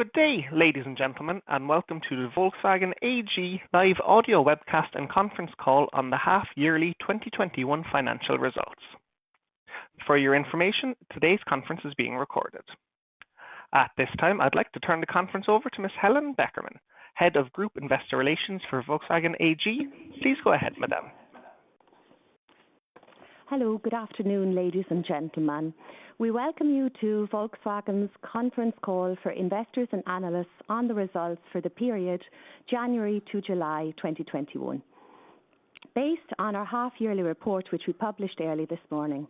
Good day, ladies and gentlemen, welcome to the Volkswagen AG live audio webcast and conference call on the half yearly 2021 financial results. For your information, today's conference is being recorded. At this time, I'd like to turn the conference over to Ms. Helen Beckermann, Head of Group Investor Relations for Volkswagen AG. Please go ahead, madam. Hello. Good afternoon, ladies and gentlemen. We welcome you to Volkswagen's conference call for investors and analysts on the results for the period January to July 2021. Based on our half-yearly report, which we published early this morning.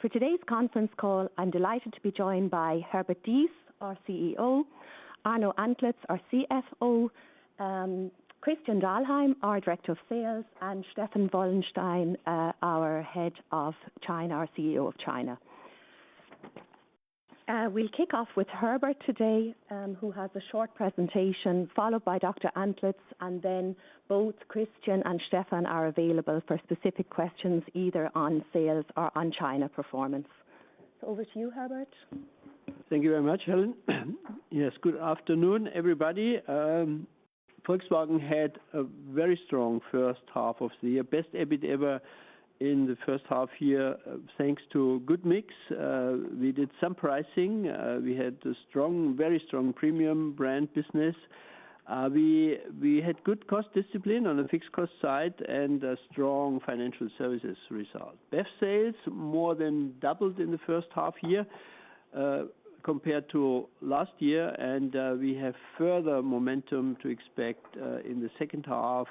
For today's conference call, I'm delighted to be joined by Herbert Diess, our CEO, Arno Antlitz, our CFO, Christian Dahlheim, our Director of Sales, and Stephan Wöllenstein, our Head of China, our CEO of China. We'll kick off with Herbert today, who has a short presentation, followed by Dr. Antlitz, and then both Christian and Stephan are available for specific questions, either on sales or on China performance. Over to you, Herbert. Thank you very much, Helen. Yes, good afternoon, everybody. Volkswagen had a very strong first half of the year. Best EBIT ever in the first half year, thanks to good mix. We did some pricing. We had a very strong premium brand business. We had good cost discipline on the fixed cost side and a strong financial services result. BEV sales more than doubled in the first half year, compared to last year. We have further momentum to expect in the second half,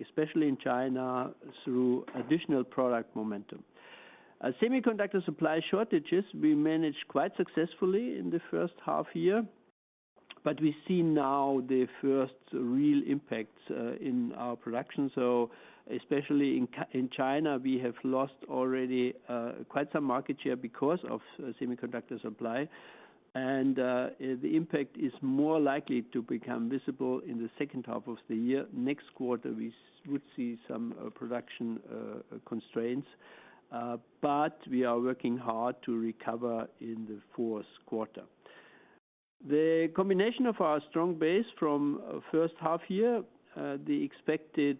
especially in China, through additional product momentum. Semiconductor supply shortages we managed quite successfully in the first half year. We see now the first real impact in our production. Especially in China, we have lost already quite some market share because of semiconductor supply. The impact is more likely to become visible in the second half of the year. Next quarter, we would see some production constraints. We are working hard to recover in the fourth quarter. The combination of our strong base from first half-year, the expected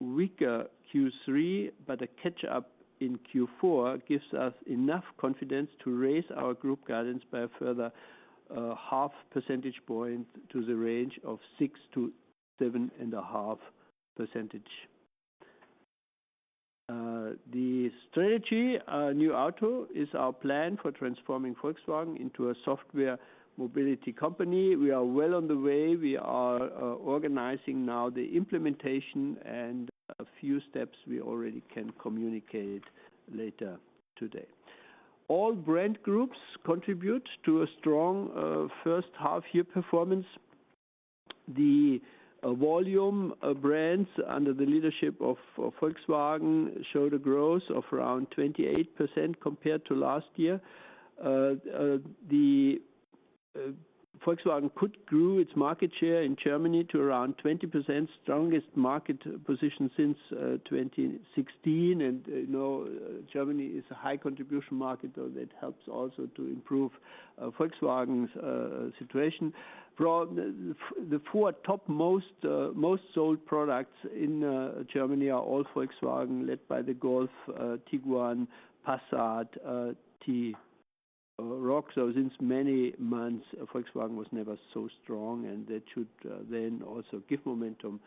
weaker Q3, but a catch up in Q4 gives us enough confidence to raise our group guidance by a further half percentage point to the range of 6%-7.5%. The strategy, NEW AUTO, is our plan for transforming Volkswagen into a software mobility company. We are well on the way. We are organizing now the implementation and a few steps we already can communicate later today. All brand groups contribute to a strong first half-year performance. The volume of brands under the leadership of Volkswagen show the growth of around 28% compared to last year. Volkswagen grew its market share in Germany to around 20%, strongest market position since 2016. Germany is a high contribution market, that helps also to improve Volkswagen's situation. The four topmost sold products in Germany are all Volkswagen, led by the Golf, Tiguan, Passat, T-Roc. Since many months, Volkswagen was never so strong, that should then also give momentum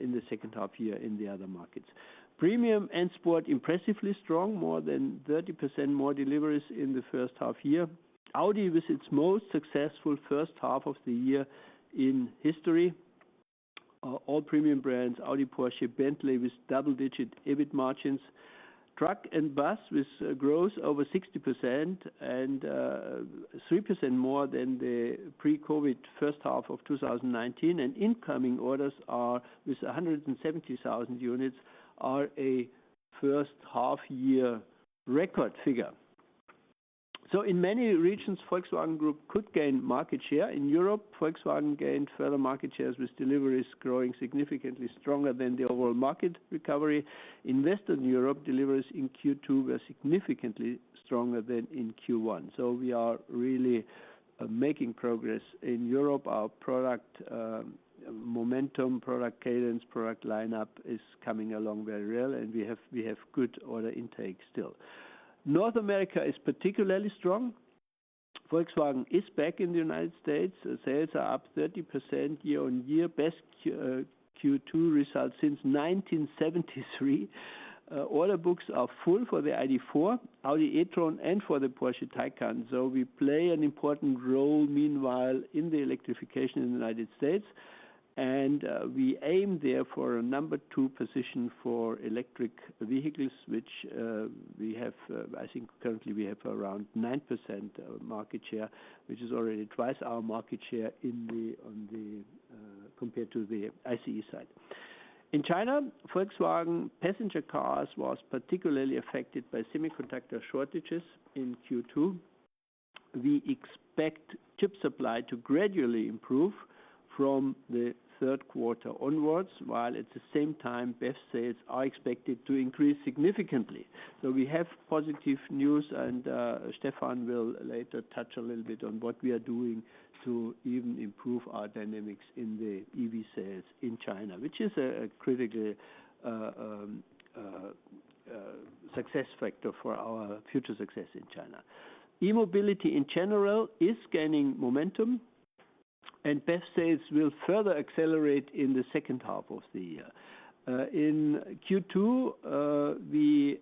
in the second half here in the other markets. Premium and sport impressively strong, more than 30% more deliveries in the first half year. Audi with its most successful first half of the year in history. All premium brands, Audi, Porsche, Bentley, with double-digit EBIT margins. Truck and bus with growth over 60% and 3% more than the pre-COVID first half of 2019. Incoming orders with 170,000 units are a first half year record figure. In many regions, Volkswagen Group could gain market share. In Europe, Volkswagen gained further market shares with deliveries growing significantly stronger than the overall market recovery. In Western Europe, deliveries in Q2 were significantly stronger than in Q1. We are really making progress. In Europe, our product momentum, product cadence, product lineup is coming along very well, and we have good order intake still. North America is particularly strong. Volkswagen is back in the United States. Sales are up 30% year-over-year. Best Q2 results since 1973. Order books are full for the ID.4, Audi e-tron, and for the Porsche Taycan. We play an important role meanwhile in the electrification in the United States. We aim there for a number two position for electric vehicles, which I think currently we have around 9% market share, which is already twice our market share compared to the ICE side. In China, Volkswagen Passenger Cars was particularly affected by semiconductor shortages in Q2. We expect chip supply to gradually improve from the third quarter onwards, while at the same time, BEV sales are expected to increase significantly. We have positive news and Stephan will later touch a little bit on what we are doing to even improve our dynamics in the EV sales in China, which is a critical success factor for our future success in China. E-mobility, in general, is gaining momentum, and BEV sales will further accelerate in the second half of the year. In Q2, the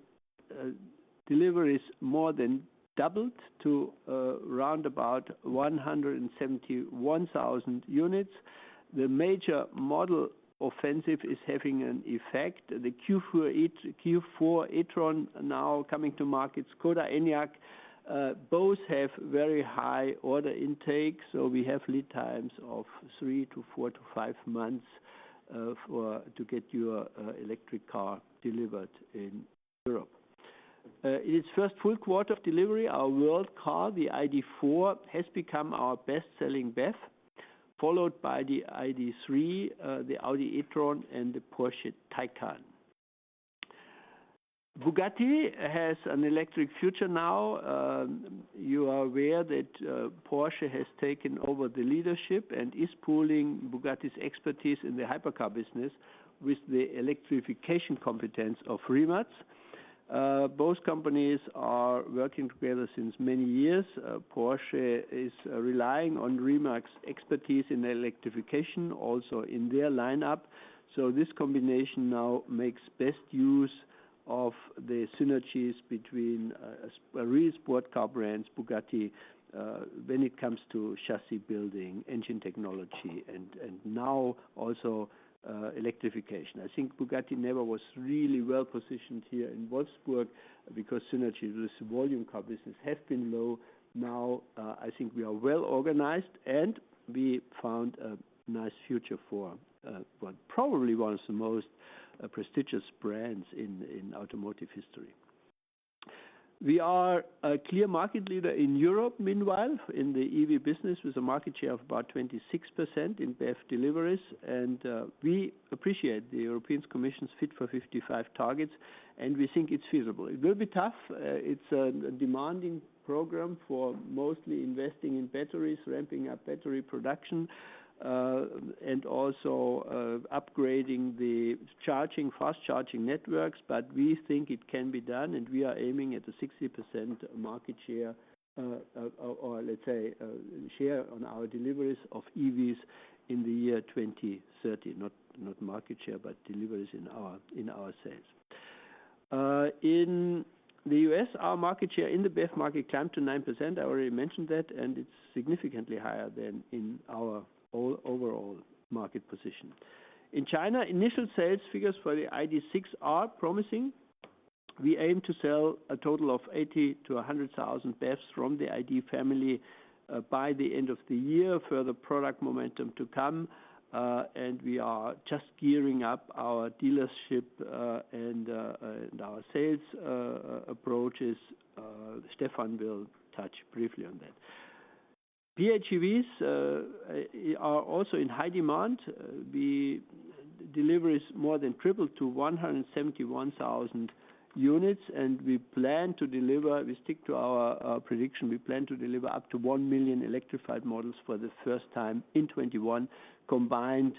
deliveries more than doubled to around about 171,000 units. The major model offensive is having an effect. The Audi Q4 e-tron now coming to markets, Škoda Enyaq, both have very high order intake, so we have lead times of three to four to five months to get your electric car delivered in Europe. In its first full quarter of delivery, our world car, the ID.4, has become our best-selling BEV, followed by the ID.3, the Audi e-tron, and the Porsche Taycan. Bugatti has an electric future now. You are aware that Porsche has taken over the leadership and is pooling Bugatti's expertise in the hypercar business with the electrification competence of Rimac. Both companies are working together since many years. Porsche is relying on Rimac's expertise in electrification also in their lineup. This combination now makes best use of the synergies between a real sport car brand, Bugatti, when it comes to chassis building, engine technology, and now also electrification. I think Bugatti never was really well-positioned here in Wolfsburg because synergy with volume car business has been low. Now, I think we are well-organized, and we found a nice future for probably one of the most prestigious brands in automotive history. We are a clear market leader in Europe, meanwhile, in the EV business, with a market share of about 26% in BEV deliveries. We appreciate the European Commission's "Fit for 55" targets, and we think it's feasible. It will be tough. It's a demanding program for mostly investing in batteries, ramping up battery production, and also upgrading the fast-charging networks. We think it can be done, and we are aiming at a 60% market share or, let's say, share on our deliveries of EVs in the year 2030. Not market share, but deliveries in our sales. In the U.S., our market share in the BEV market climbed to 9%. I already mentioned that. It's significantly higher than in our overall market position. In China, initial sales figures for the ID.6 are promising. We aim to sell a total of 80,000-100,000 BEVs from the ID. family by the end of the year. Further product momentum to come. We are just gearing up our dealership and our sales approaches. Stephan will touch briefly on that. PHEVs are also in high demand. The deliveries more than tripled to 171,000 units. We stick to our prediction. We plan to deliver up to 1 million electrified models for the first time in 2021, combined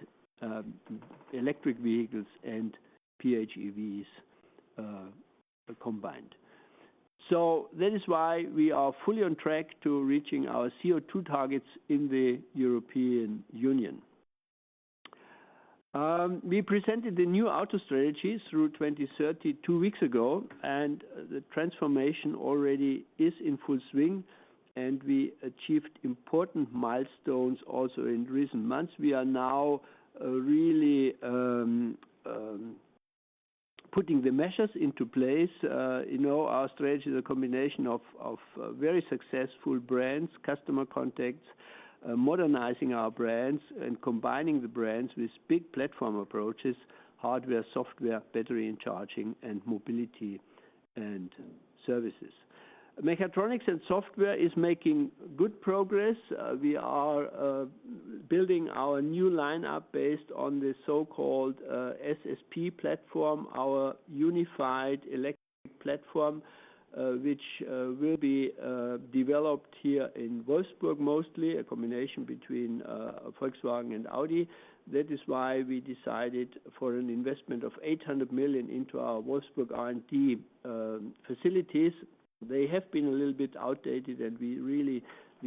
electric vehicles and PHEVs combined. That is why we are fully on track to reaching our CO2 targets in the European Union. We presented the NEW AUTO strategy through 2030 two weeks ago. The transformation already is in full swing. We achieved important milestones also in recent months. We are now really putting the measures into place. Our strategy is a combination of very successful brands, customer contacts, modernizing our brands, and combining the brands with big platform approaches, hardware, software, battery and charging, and mobility and services. Mechatronics and software is making good progress. We are building our new lineup based on the so-called SSP platform, our unified electric platform, which will be developed here in Wolfsburg, mostly, a combination between Volkswagen and Audi. That is why we decided for an investment of 800 million into our Wolfsburg R&D facilities. They have been a little bit outdated. We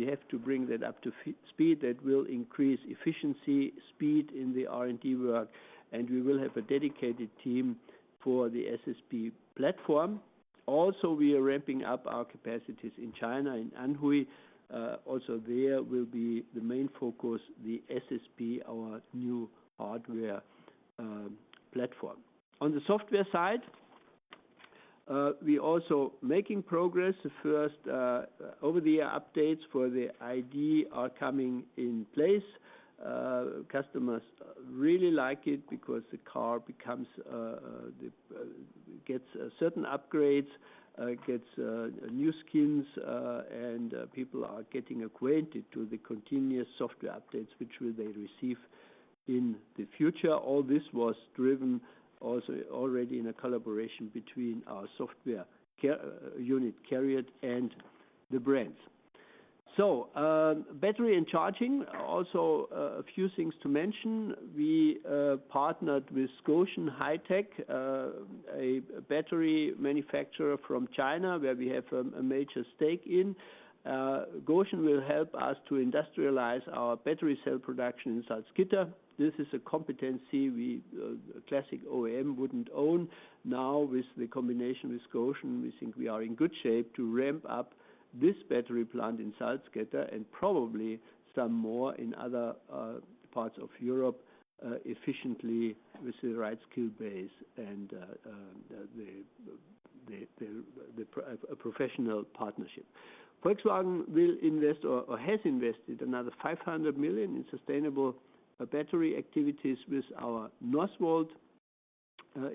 have to bring that up to speed. That will increase efficiency, speed in the R&D work, and we will have a dedicated team for the SSP platform. We are ramping up our capacities in China, in Anhui. There will be the main focus, the SSP, our new hardware platform. On the software side, we also making progress. The first over-the-air updates for the ID. are coming in place. Customers really like it because the car gets certain upgrades, gets new skins, and people are getting acquainted to the continuous software updates, which they receive. In the future, all this was driven also already in a collaboration between our software unit, CARIAD, and the brands. Battery and charging, also a few things to mention. We partnered with Gotion High-Tech, a battery manufacturer from China, where we have a major stake in. Gotion will help us to industrialize our battery cell production in Salzgitter. This is a competency a classic OEM wouldn't own. Now with the combination with Gotion, we think we are in good shape to ramp up this battery plant in Salzgitter and probably some more in other parts of Europe efficiently with the right skill base and a professional partnership. Volkswagen will invest or has invested another 500 million in sustainable battery activities with our Northvolt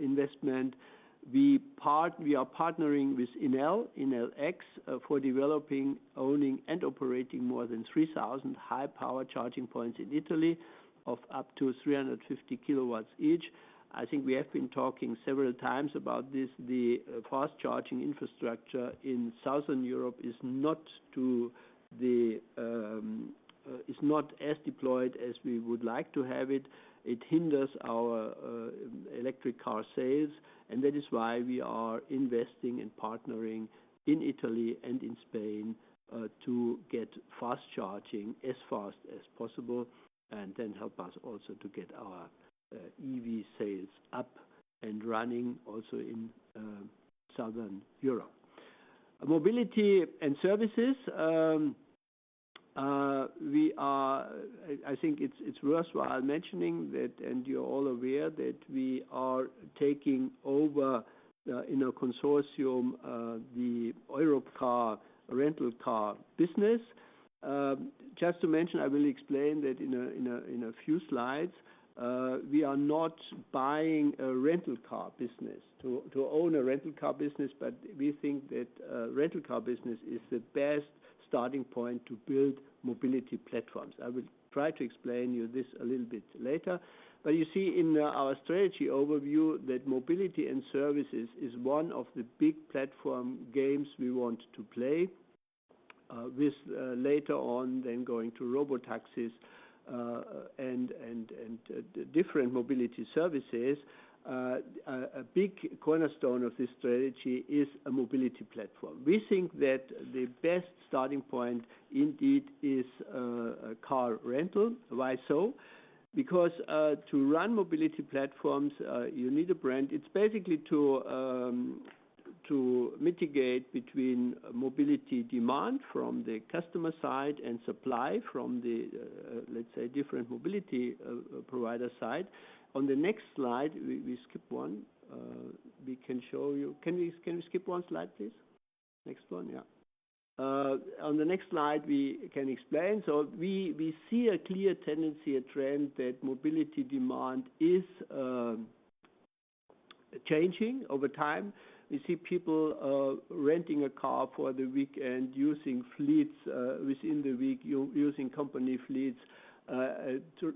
investment. We are partnering with Enel X, for developing, owning, and operating more than 3,000 high-power charging points in Italy of up to 350 kW each. I think we have been talking several times about this. The fast-charging infrastructure in Southern Europe is not as deployed as we would like to have it. It hinders our electric car sales, and that is why we are investing and partnering in Italy and in Spain to get fast charging as fast as possible, and then help us also to get our EV sales up and running also in Southern Europe. Mobility and services. I think it's worthwhile mentioning that, and you're all aware, that we are taking over in a consortium the Europcar rental car business. Just to mention, I will explain that in a few slides, we are not buying a rental car business to own a rental car business, but we think that a rental car business is the best starting point to build mobility platforms. I will try to explain you this a little bit later. You see in our strategy overview that mobility and services is one of the big platform games we want to play, with later on then going to robotaxis and different mobility services. A big cornerstone of this strategy is a mobility platform. We think that the best starting point, indeed, is car rental. Why so? To run mobility platforms, you need a brand. It's basically to mitigate between mobility demand from the customer side and supply from the, let's say, different mobility provider side. On the next slide, we skip one. We can show you. Can we skip one slide, please? Next one. On the next slide, we can explain. We see a clear tendency, a trend, that mobility demand is changing over time. We see people renting a car for the weekend, using fleets within the week, using company fleets,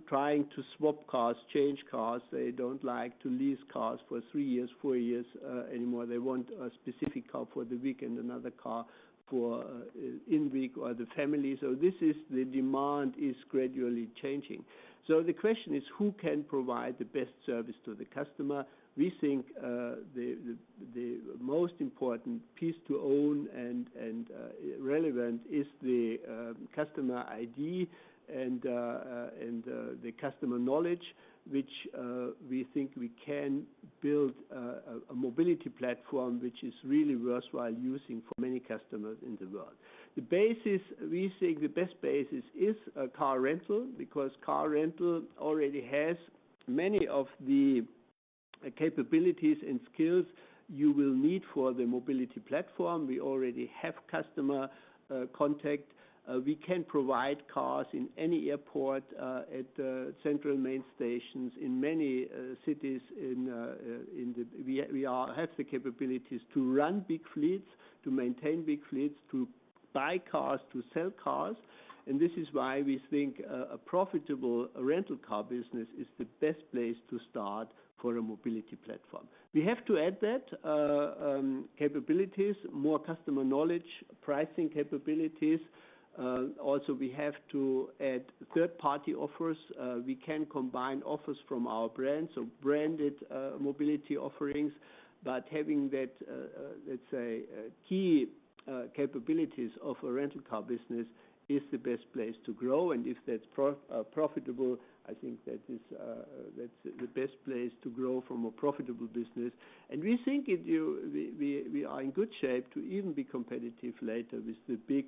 trying to swap cars, change cars. They don't like to lease cars for three years, four years anymore. They want a specific car for the weekend, another car for in week or the family. The demand is gradually changing. The question is, who can provide the best service to the customer? We think the most important piece to own and relevant is the customer ID and the customer knowledge, which we think we can build a mobility platform which is really worthwhile using for many customers in the world. We think the best basis is car rental because car rental already has many of the capabilities and skills you will need for the mobility platform. We already have customer contact. We can provide cars in any airport, at central main stations in many cities. We have the capabilities to run big fleets, to maintain big fleets, to buy cars, to sell cars, and this is why we think a profitable rental car business is the best place to start for a mobility platform. We have to add that capabilities, more customer knowledge, pricing capabilities. Also, we have to add third-party offers. We can combine offers from our brands, so branded mobility offerings. But having that, let's say, key capabilities of a rental car business is the best place to grow. And if that's profitable, I think that's the best place to grow from a profitable business. We think we are in good shape to even be competitive later with the big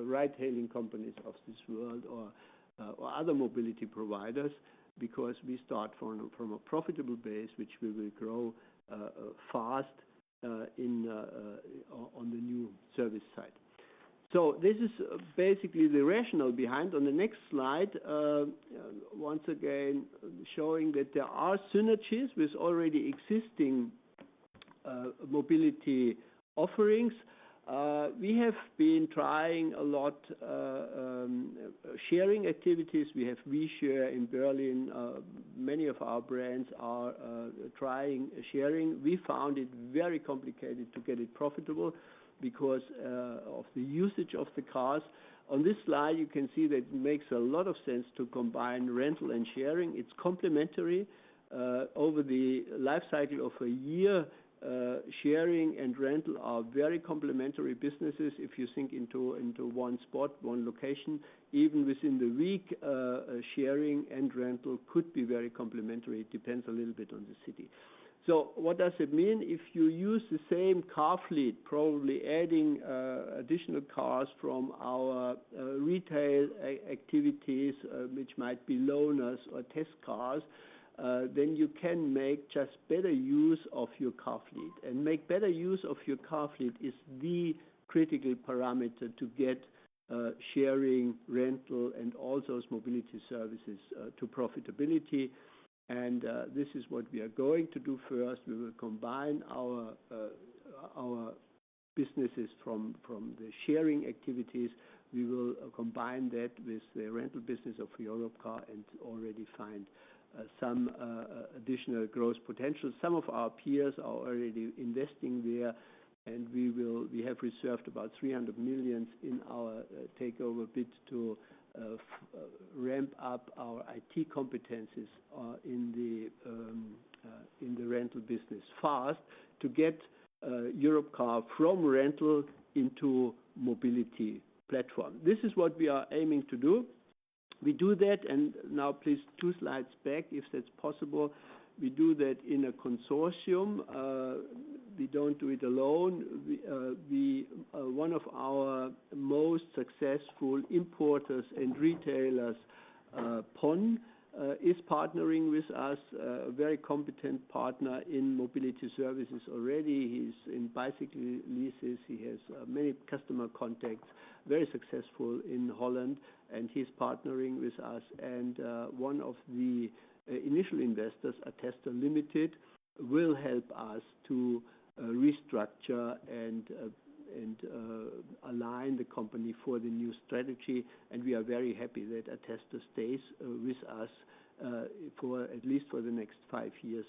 ride-hailing companies of this world or other mobility providers because we start from a profitable base, which we will grow fast on the new service side. This is basically the rationale behind. On the next slide, once again, showing that there are synergies with already existing mobility offerings. We have been trying a lot sharing activities. We have WeShare in Berlin. Many of our brands are trying sharing. We found it very complicated to get it profitable because of the usage of the cars. On this slide, you can see that it makes a lot of sense to combine rental and sharing. It's complementary. Over the life cycle of a year, sharing and rental are very complementary businesses, if you think into one spot, one location. Even within the week, sharing and rental could be very complementary. It depends a little bit on the city. What does it mean? If you use the same car fleet, probably adding additional cars from our retail activities, which might be loaners or test cars, then you can make just better use of your car fleet. Make better use of your car fleet is the critical parameter to get sharing, rental, and all those mobility services to profitability. This is what we are going to do. First, we will combine our businesses from the sharing activities. We will combine that with the rental business of Europcar and already find some additional growth potential. Some of our peers are already investing there. We have reserved about 300 million in our takeover bid to ramp up our IT competencies in the rental business fast to get Europcar from rental into mobility platform. This is what we are aiming to do. We do that. Now please two slides back if that's possible. We do that in a consortium. We don't do it alone. One of our most successful importers and retailers, Pon, is partnering with us, a very competent partner in mobility services already. He's in bicycle leases. He has many customer contacts, very successful in Holland. He's partnering with us. One of the initial investors, Attestor Limited, will help us to restructure and align the company for the new strategy. We are very happy that Attestor stays with us at least for the next five years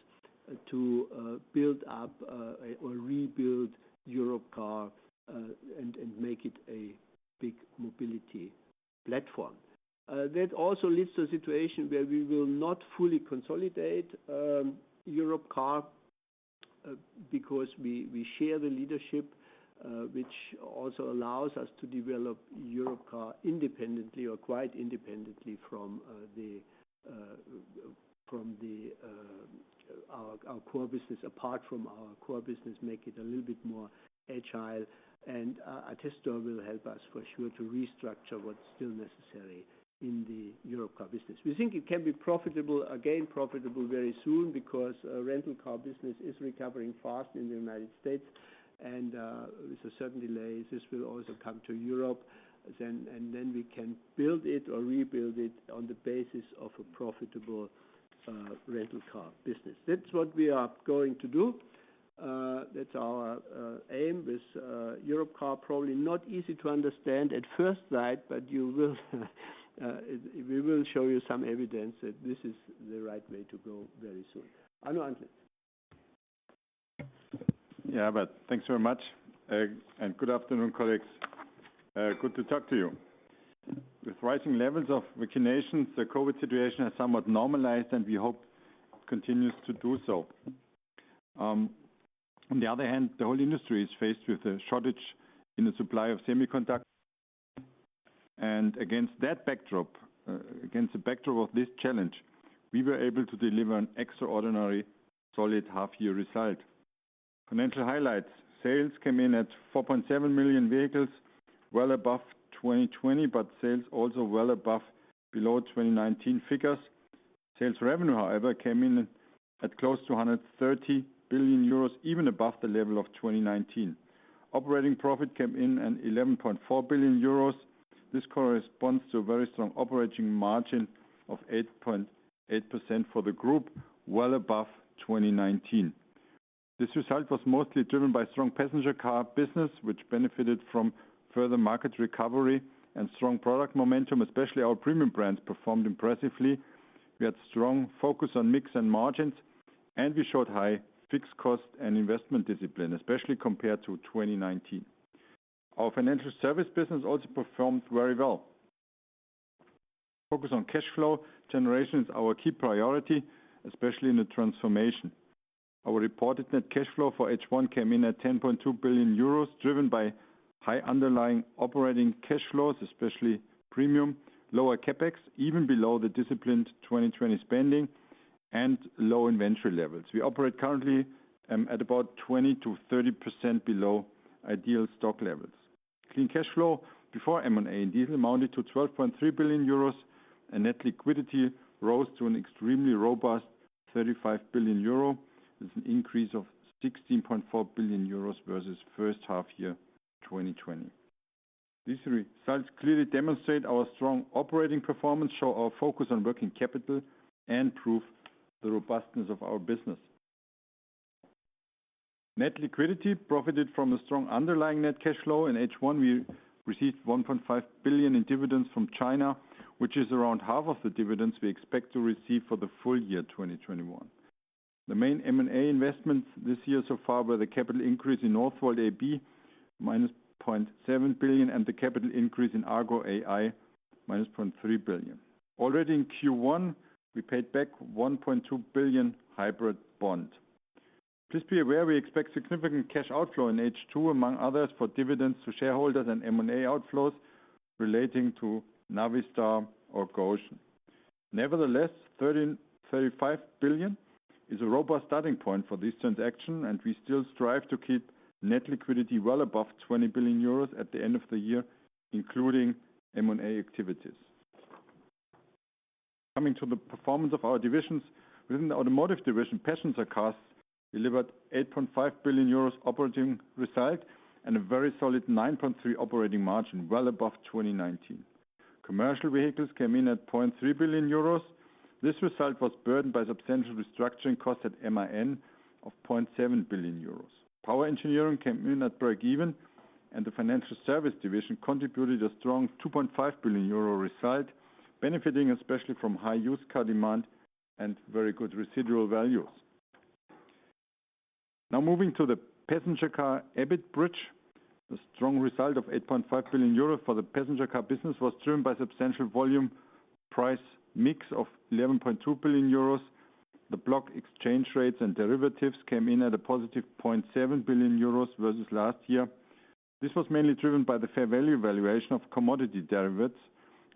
to build up or rebuild Europcar and make it a big mobility platform. That also leaves the situation where we will not fully consolidate Europcar because we share the leadership, which also allows us to develop Europcar independently or quite independently from our core business, apart from our core business, make it a little bit more agile. Attestor will help us for sure to restructure what's still necessary in the Europcar business. We think it can be profitable, again, profitable very soon because rental car business is recovering fast in the United States. With certain delays, this will also come to Europe. Then we can build it or rebuild it on the basis of a profitable rental car business. That's what we are going to do. That's our aim with Europcar. Probably not easy to understand at first sight. We will show you some evidence that this is the right way to go very soon. Arno Antlitz. Thanks very much. Good afternoon, colleagues. Good to talk to you. With rising levels of vaccinations, the COVID situation has somewhat normalized, and we hope continues to do so. The whole industry is faced with a shortage in the supply of semiconductors. Against that backdrop, against the backdrop of this challenge, we were able to deliver an extraordinary, solid half-year result. Financial highlights, sales came in at 4.7 million vehicles, well above 2020, but sales also well below 2019 figures. Sales revenue, however, came in at close to 130 billion euros, even above the level of 2019. Operating profit came in at 11.4 billion euros. This corresponds to a very strong operating margin of 8.8% for the group, well above 2019. This result was mostly driven by strong passenger car business, which benefited from further market recovery and strong product momentum, especially our premium brands performed impressively. We had strong focus on mix and margins, and we showed high fixed cost and investment discipline, especially compared to 2019. Our financial service business also performed very well. Focus on cash flow generation is our key priority, especially in the transformation. Our reported net cash flow for H1 came in at 10.2 billion euros, driven by high underlying operating cash flows, especially premium, lower CapEx, even below the disciplined 2020 spending and low inventory levels. We operate currently at about 20%-30% below ideal stock levels. Clean cash flow, before M&A and diesel, amounted to 12.3 billion euros, and net liquidity rose to an extremely robust 35 billion euro. It's an increase of 16.4 billion euros versus first half year 2020. These results clearly demonstrate our strong operating performance, show our focus on working capital, and prove the robustness of our business. Net liquidity profited from a strong underlying net cash flow. In H1, we received 1.5 billion in dividends from China, which is around half of the dividends we expect to receive for the full year 2021. The main M&A investments this year so far were the capital increase in Northvolt AB, -0.7 billion, and the capital increase in Argo AI, -0.3 billion. Already in Q1, we paid back 1.2 billion hybrid bond. Please be aware we expect significant cash outflow in H2, among others, for dividends to shareholders and M&A outflows relating to Navistar or Gotion. Nevertheless, 35 billion is a robust starting point for this transaction, and we still strive to keep net liquidity well above 20 billion euros at the end of the year, including M&A activities. Coming to the performance of our divisions. Within the automotive division, passenger cars delivered 8.5 billion euros operating result and a very solid 9.3% operating margin, well above 2019. Commercial vehicles came in at 0.3 billion euros. This result was burdened by substantial restructuring costs at MAN of 0.7 billion euros. Power engineering came in at breakeven, and the financial service division contributed a strong 2.5 billion euro result, benefiting especially from high used car demand and very good residual values. Now moving to the passenger car EBIT bridge. The strong result of 8.5 billion euros for the passenger car business was driven by substantial volume price mix of 11.2 billion euros. The block exchange rates and derivatives came in at a +1.7 billion euros versus last year. This was mainly driven by the fair value valuation of commodity derivatives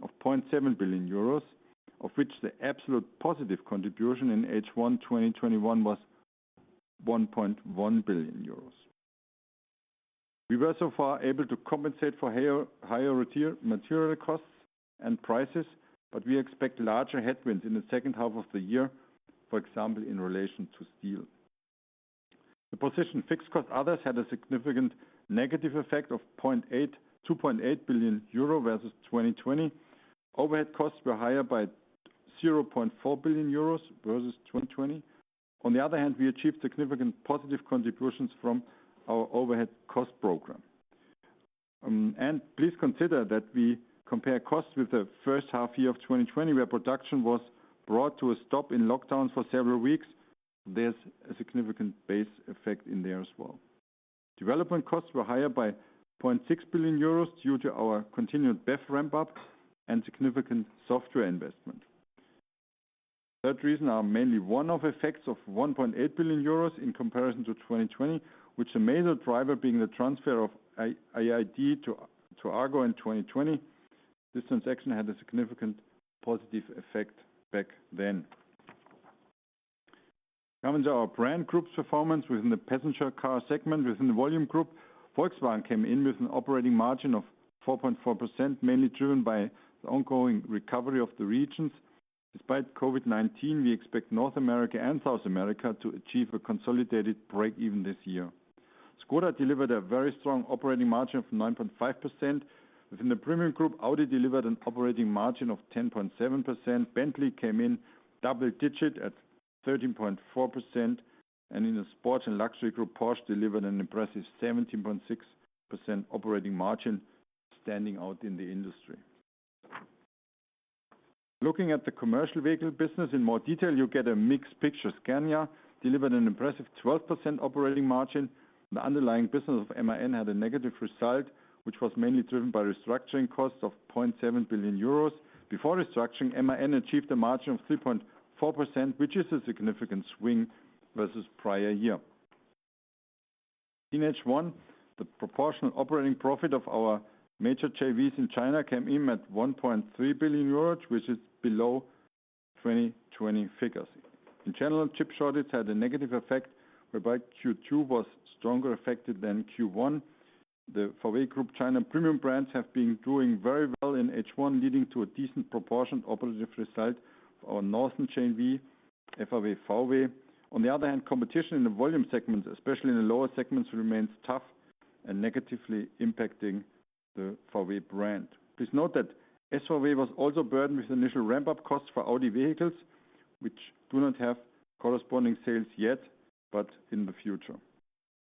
of 0.7 billion euros, of which the absolute positive contribution in H1 2021 was 1.1 billion euros. We were so far able to compensate for higher material costs and prices, we expect larger headwinds in the second half of the year, for example, in relation to steel. The position fixed cost others had a significant negative effect of 2.8 billion euro versus 2020. Overhead costs were higher by 0.4 billion euros versus 2020. On the other hand, we achieved significant positive contributions from our overhead cost program. Please consider that we compare costs with the first half year of 2020, where production was brought to a stop in lockdowns for several weeks. There's a significant base effect in there as well. Development costs were higher by 0.6 billion euros due to our continued BEV ramp-up and significant software investment. Third reason are mainly one-off effects of 1.8 billion euros in comparison to 2020, with the major driver being the transfer of AID to Argo in 2020. This transaction had a significant positive effect back then. Coming to our brand group's performance within the passenger car segment. Within the volume group, Volkswagen came in with an operating margin of 4.4%, mainly driven by the ongoing recovery of the regions. Despite COVID-19, we expect North America and South America to achieve a consolidated break-even this year. Škoda delivered a very strong operating margin of 9.5%. Within the premium group, Audi delivered an operating margin of 10.7%. Bentley came in double-digit at 13.4%, and in the sports and luxury group, Porsche delivered an impressive 17.6% operating margin, standing out in the industry. Looking at the commercial vehicle business in more detail, you get a mixed picture. Scania delivered an impressive 12% operating margin. The underlying business of MAN had a negative result, which was mainly driven by restructuring costs of 0.7 billion euros. Before restructuring, MAN achieved a margin of 3.4%, which is a significant swing versus prior year. In H1, the proportional operating profit of our major JVs in China came in at 1.3 billion euros, which is below 2020 figures. In general, chip shortage had a negative effect, whereby Q2 was stronger affected than Q1. The FAW Group China premium brands have been doing very well in H1, leading to a decent proportioned operative result for our northern JV, FAW-VW. On the other hand, competition in the volume segments, especially in the lower segments, remains tough and negatively impacting the FAW-VW brand. Please note that SVW was also burdened with initial ramp-up costs for Audi vehicles, which do not have corresponding sales yet, but in the future.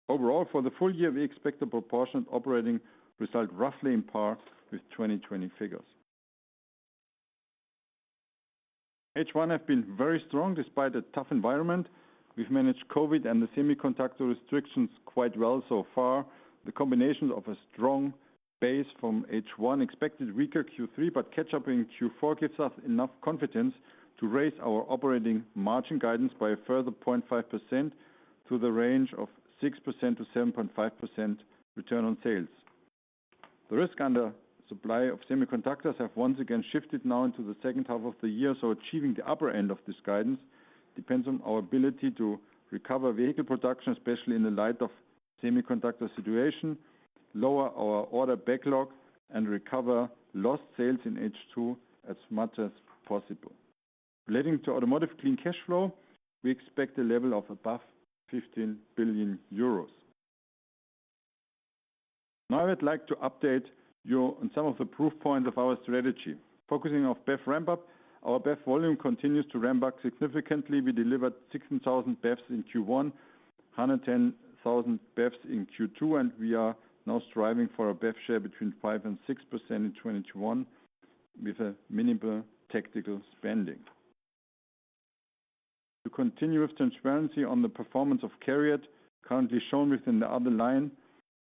Overall, for the full year, we expect the proportion operating result roughly in part with 2020 figures. H1 has been very strong despite a tough environment. We've managed COVID and the semiconductor restrictions quite well so far. The combination of a strong base from H1 expected weaker Q3, but catch-up in Q4 gives us enough confidence to raise our operating margin guidance by a further 0.5% to the range of 6%-7.5% return on sales. The risk under supply of semiconductors have once again shifted now into the second half of the year. Achieving the upper end of this guidance depends on our ability to recover vehicle production, especially in the light of semiconductor situation, lower our order backlog, and recover lost sales in H2 as much as possible. Relating to automotive clean cash flow, we expect a level of above 15 billion euros. I'd like to update you on some of the proof points of our strategy. Focusing on BEV ramp-up, our BEV volume continues to ramp up significantly. We delivered 16,000 BEVs in Q1, 110,000 BEVs in Q2. We are now striving for a BEV share between 5% and 6% in 2021 with a minimal tactical spending. To continue with transparency on the performance of CARIAD, currently shown within the other line,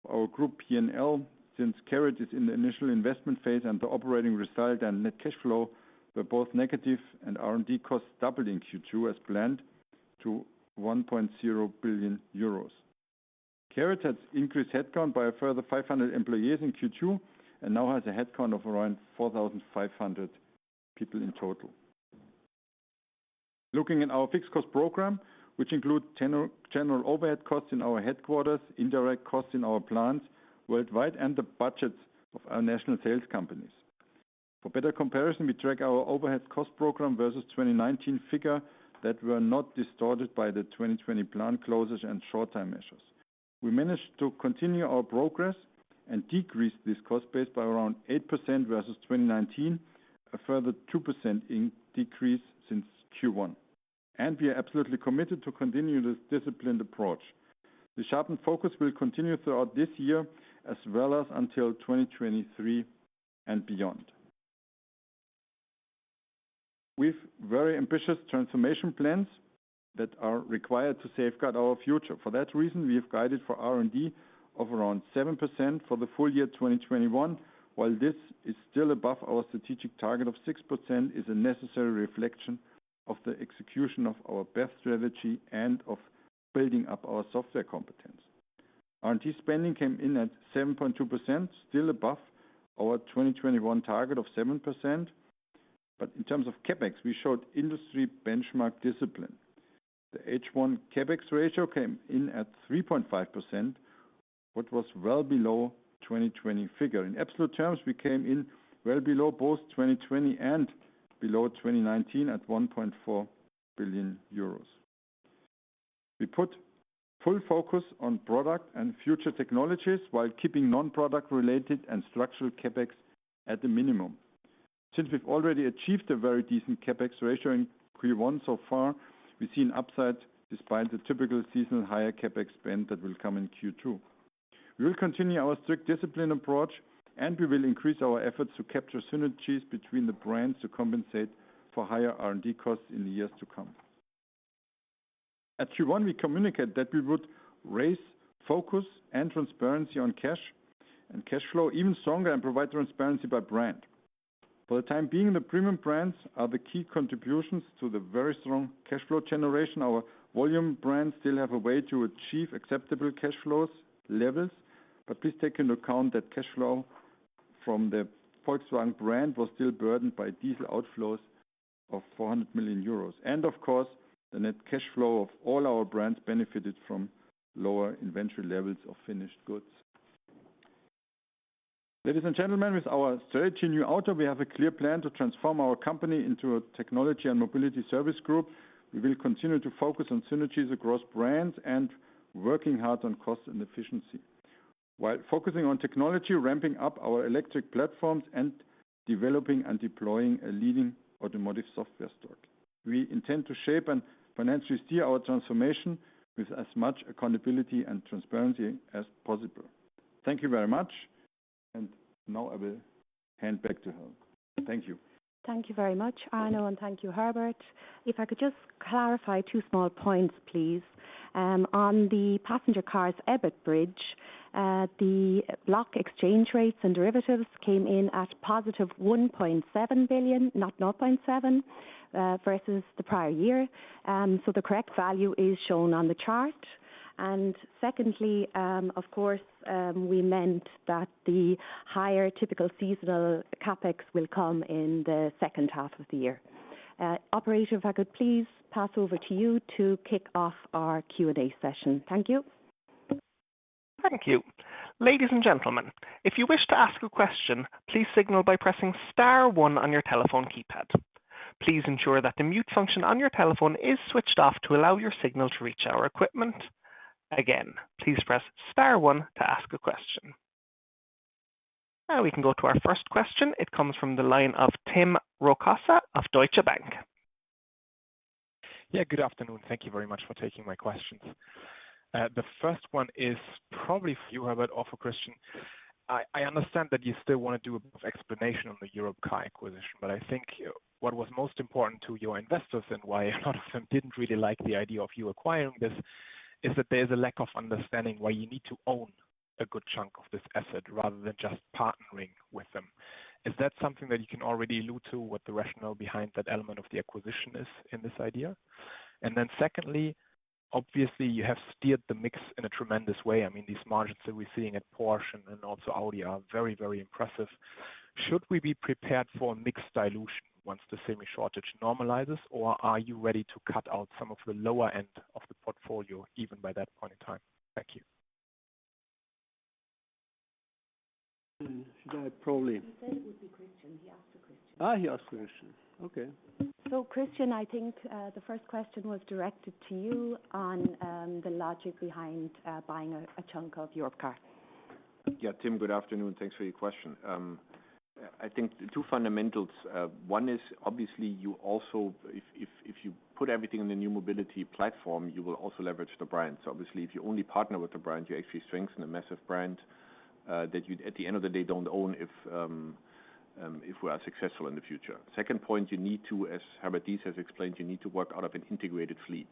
our group P&L, since CARIAD is in the initial investment phase and the operating result and net cash flow were both negative and R&D costs doubled in Q2 as planned to 1.0 billion euros. CARIAD has increased headcount by a further 500 employees in Q2 and now has a headcount of around 4,500 people in total. Looking at our fixed cost program, which include general overhead costs in our headquarters, indirect costs in our plants worldwide, and the budgets of our national sales companies. For better comparison, we track our overhead cost program versus 2019 figure that were not distorted by the 2020 plant closures and short time measures. We managed to continue our progress and decrease this cost base by around 8% versus 2019, a further 2% decrease since Q1, and we are absolutely committed to continue this disciplined approach. The sharpened focus will continue throughout this year as well as until 2023 and beyond. We've very ambitious transformation plans that are required to safeguard our future. For that reason, we have guided for R&D of around 7% for the full year 2021. While this is still above our strategic target of 6%, is a necessary reflection of the execution of our BEV strategy and of building up our software competence. R&D spending came in at 7.2%, still above our 2021 target of 7%, but in terms of CapEx, we showed industry benchmark discipline. The H1 CapEx ratio came in at 3.5%, what was well below 2020 figure. In absolute terms, we came in well below both 2020 and below 2019 at 1.4 billion euros. We put full focus on product and future technologies while keeping non-product related and structural CapEx at the minimum. Since we've already achieved a very decent CapEx ratio in Q1 so far, we see an upside despite the typical seasonal higher CapEx spend that will come in Q2. We will continue our strict discipline approach, and we will increase our efforts to capture synergies between the brands to compensate for higher R&D costs in the years to come. At Q1, we communicate that we would raise focus and transparency on cash and cash flow even stronger and provide transparency by brand. For the time being, the premium brands are the key contributions to the very strong cash flow generation. Our volume brands still have a way to achieve acceptable cash flows levels, but please take into account that cash flow from the Volkswagen brand was still burdened by diesel outflows of 400 million euros. Of course, the net cash flow of all our brands benefited from lower inventory levels of finished goods. Ladies and gentlemen, with our strategy NEW AUTO, we have a clear plan to transform our company into a technology and mobility service group. We will continue to focus on synergies across brands and working hard on cost and efficiency. While focusing on technology, ramping up our electric platforms, and developing and deploying a leading automotive software stack. We intend to shape and financially steer our transformation with as much accountability and transparency as possible. Thank you very much, and now I will hand back to Helen. Thank you. Thank you very much, Arno, and thank you, Herbert. If I could just clarify two small points, please. On the passenger cars, EBIT bridge, the block exchange rates and derivatives came in at +1.7 billion, not 0.7 billion, versus the prior year. The correct value is shown on the chart. Secondly, of course, we meant that the higher typical seasonal CapEx will come in the second half of the year. Operator, if I could please pass over to you to kick off our Q&A session. Thank you. Thank you. Now we can go to our first question. It comes from the line of Tim Rokossa of Deutsche Bank. Yeah, good afternoon. Thank you very much for taking my questions. The first one is probably for you, Herbert, of a question. I understand that you still want to do a bit of explanation on the Europcar acquisition, but I think what was most important to your investors and why a lot of them didn't really like the idea of you acquiring this is that there's a lack of understanding why you need to own a good chunk of this asset rather than just partnering with them. Is that something that you can already allude to what the rationale behind that element of the acquisition is in this idea? Secondly, obviously, you have steered the mix in a tremendous way. I mean, these margins that we're seeing at Porsche and also Audi are very impressive. Should we be prepared for a mix dilution once the semi shortage normalizes, or are you ready to cut out some of the lower end of the portfolio even by that point in time? Thank you. Should I probably- He said it would be Christian. He asked for Christian. He asked for Christian. Okay. Christian, I think the first question was directed to you on the logic behind buying a chunk of Europcar. Tim, good afternoon. Thanks for your question. I think the two fundamentals, one is obviously you also, if you put everything in the new mobility platform, you will also leverage the brand. Obviously, if you only partner with the brand, you actually strengthen a massive brand that you, at the end of the day, don't own, if we are successful in the future. Second point, you need to, as Herbert Diess has explained, you need to work out of an integrated fleet.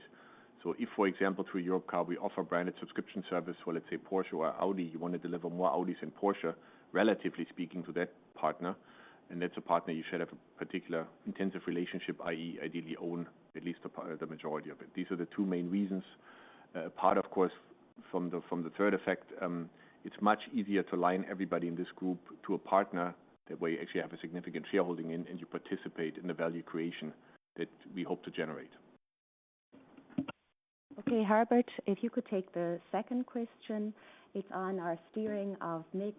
If, for example, through Europcar, we offer branded subscription service for, let's say, Porsche or Audi, you want to deliver more Audis and Porsche, relatively speaking to that partner, and that's a partner you should have a particular intensive relationship, i.e., ideally own at least a part or the majority of it. These are the two main reasons. Part, of course, from the third effect, it's much easier to line everybody in this group to a partner that we actually have a significant shareholding in, and you participate in the value creation that we hope to generate. Okay, Herbert, if you could take the second question. It's on our steering of mix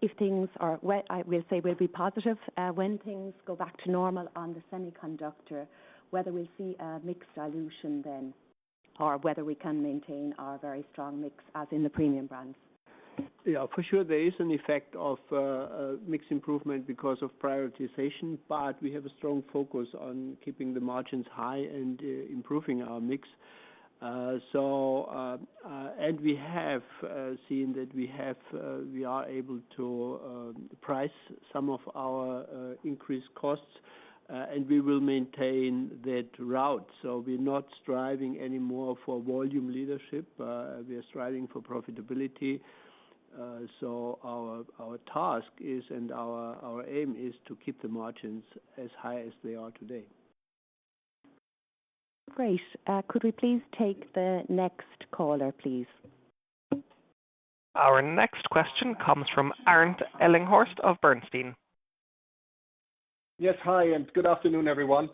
if things are what I will say will be positive when things go back to normal on the semiconductor, whether we see a mix solution then or whether we can maintain our very strong mix as in the premium brands. Yeah, for sure there is an effect of a mix improvement because of prioritization, but we have a strong focus on keeping the margins high and improving our mix. We have seen that we are able to price some of our increased costs, and we will maintain that route. We're not striving any more for volume leadership. We are striving for profitability. Our task is, and our aim is to keep the margins as high as they are today. Great. Could we please take the next caller, please? Our next question comes from Arndt Ellinghorst of Bernstein. Yes. Hi, good afternoon, everyone.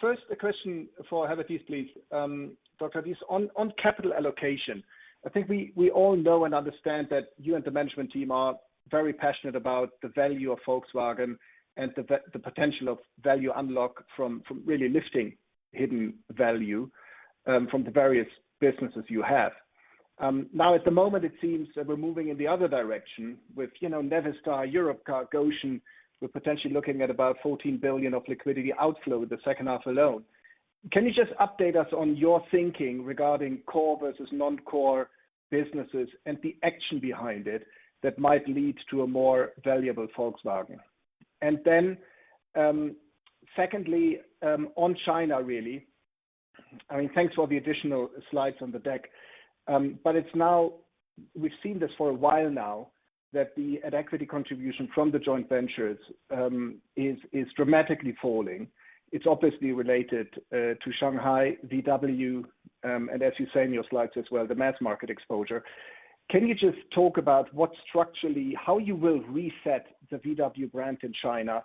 First, a question for Herbert Diess, please. Dr. Diess, on capital allocation, I think we all know and understand that you and the management team are very passionate about the value of Volkswagen and the potential of value unlock from really lifting hidden value from the various businesses you have. Now at the moment, it seems that we're moving in the other direction with Navistar, Europcar, Gotion. We're potentially looking at about 14 billion of liquidity outflow with the second half alone. Can you just update us on your thinking regarding core versus non-core businesses and the action behind it that might lead to a more valuable Volkswagen? Secondly, on China really. I mean, thanks for the additional slides on the deck. It's now, we've seen this for a while now that the net equity contribution from the joint ventures is dramatically falling. It's obviously related to Shanghai VW, and as you say in your slides as well, the mass market exposure. Can you just talk about what structurally, how you will reset the VW brand in China and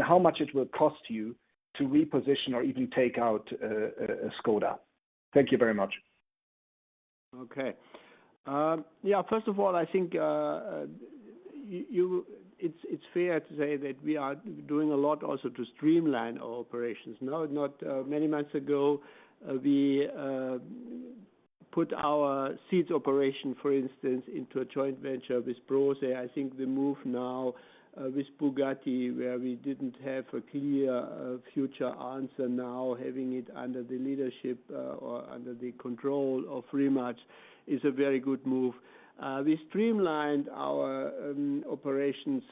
how much it will cost you to reposition or even take out Škoda? Thank you very much. Okay. Yeah, first of all, I think it's fair to say that we are doing a lot also to streamline our operations. Not many months ago, we put our SEAT operation, for instance, into a joint venture with Porsche. I think the move now with Bugatti, where we didn't have a clear future answer, now having it under the leadership or under the control of Rimac is a very good move. We streamlined our operations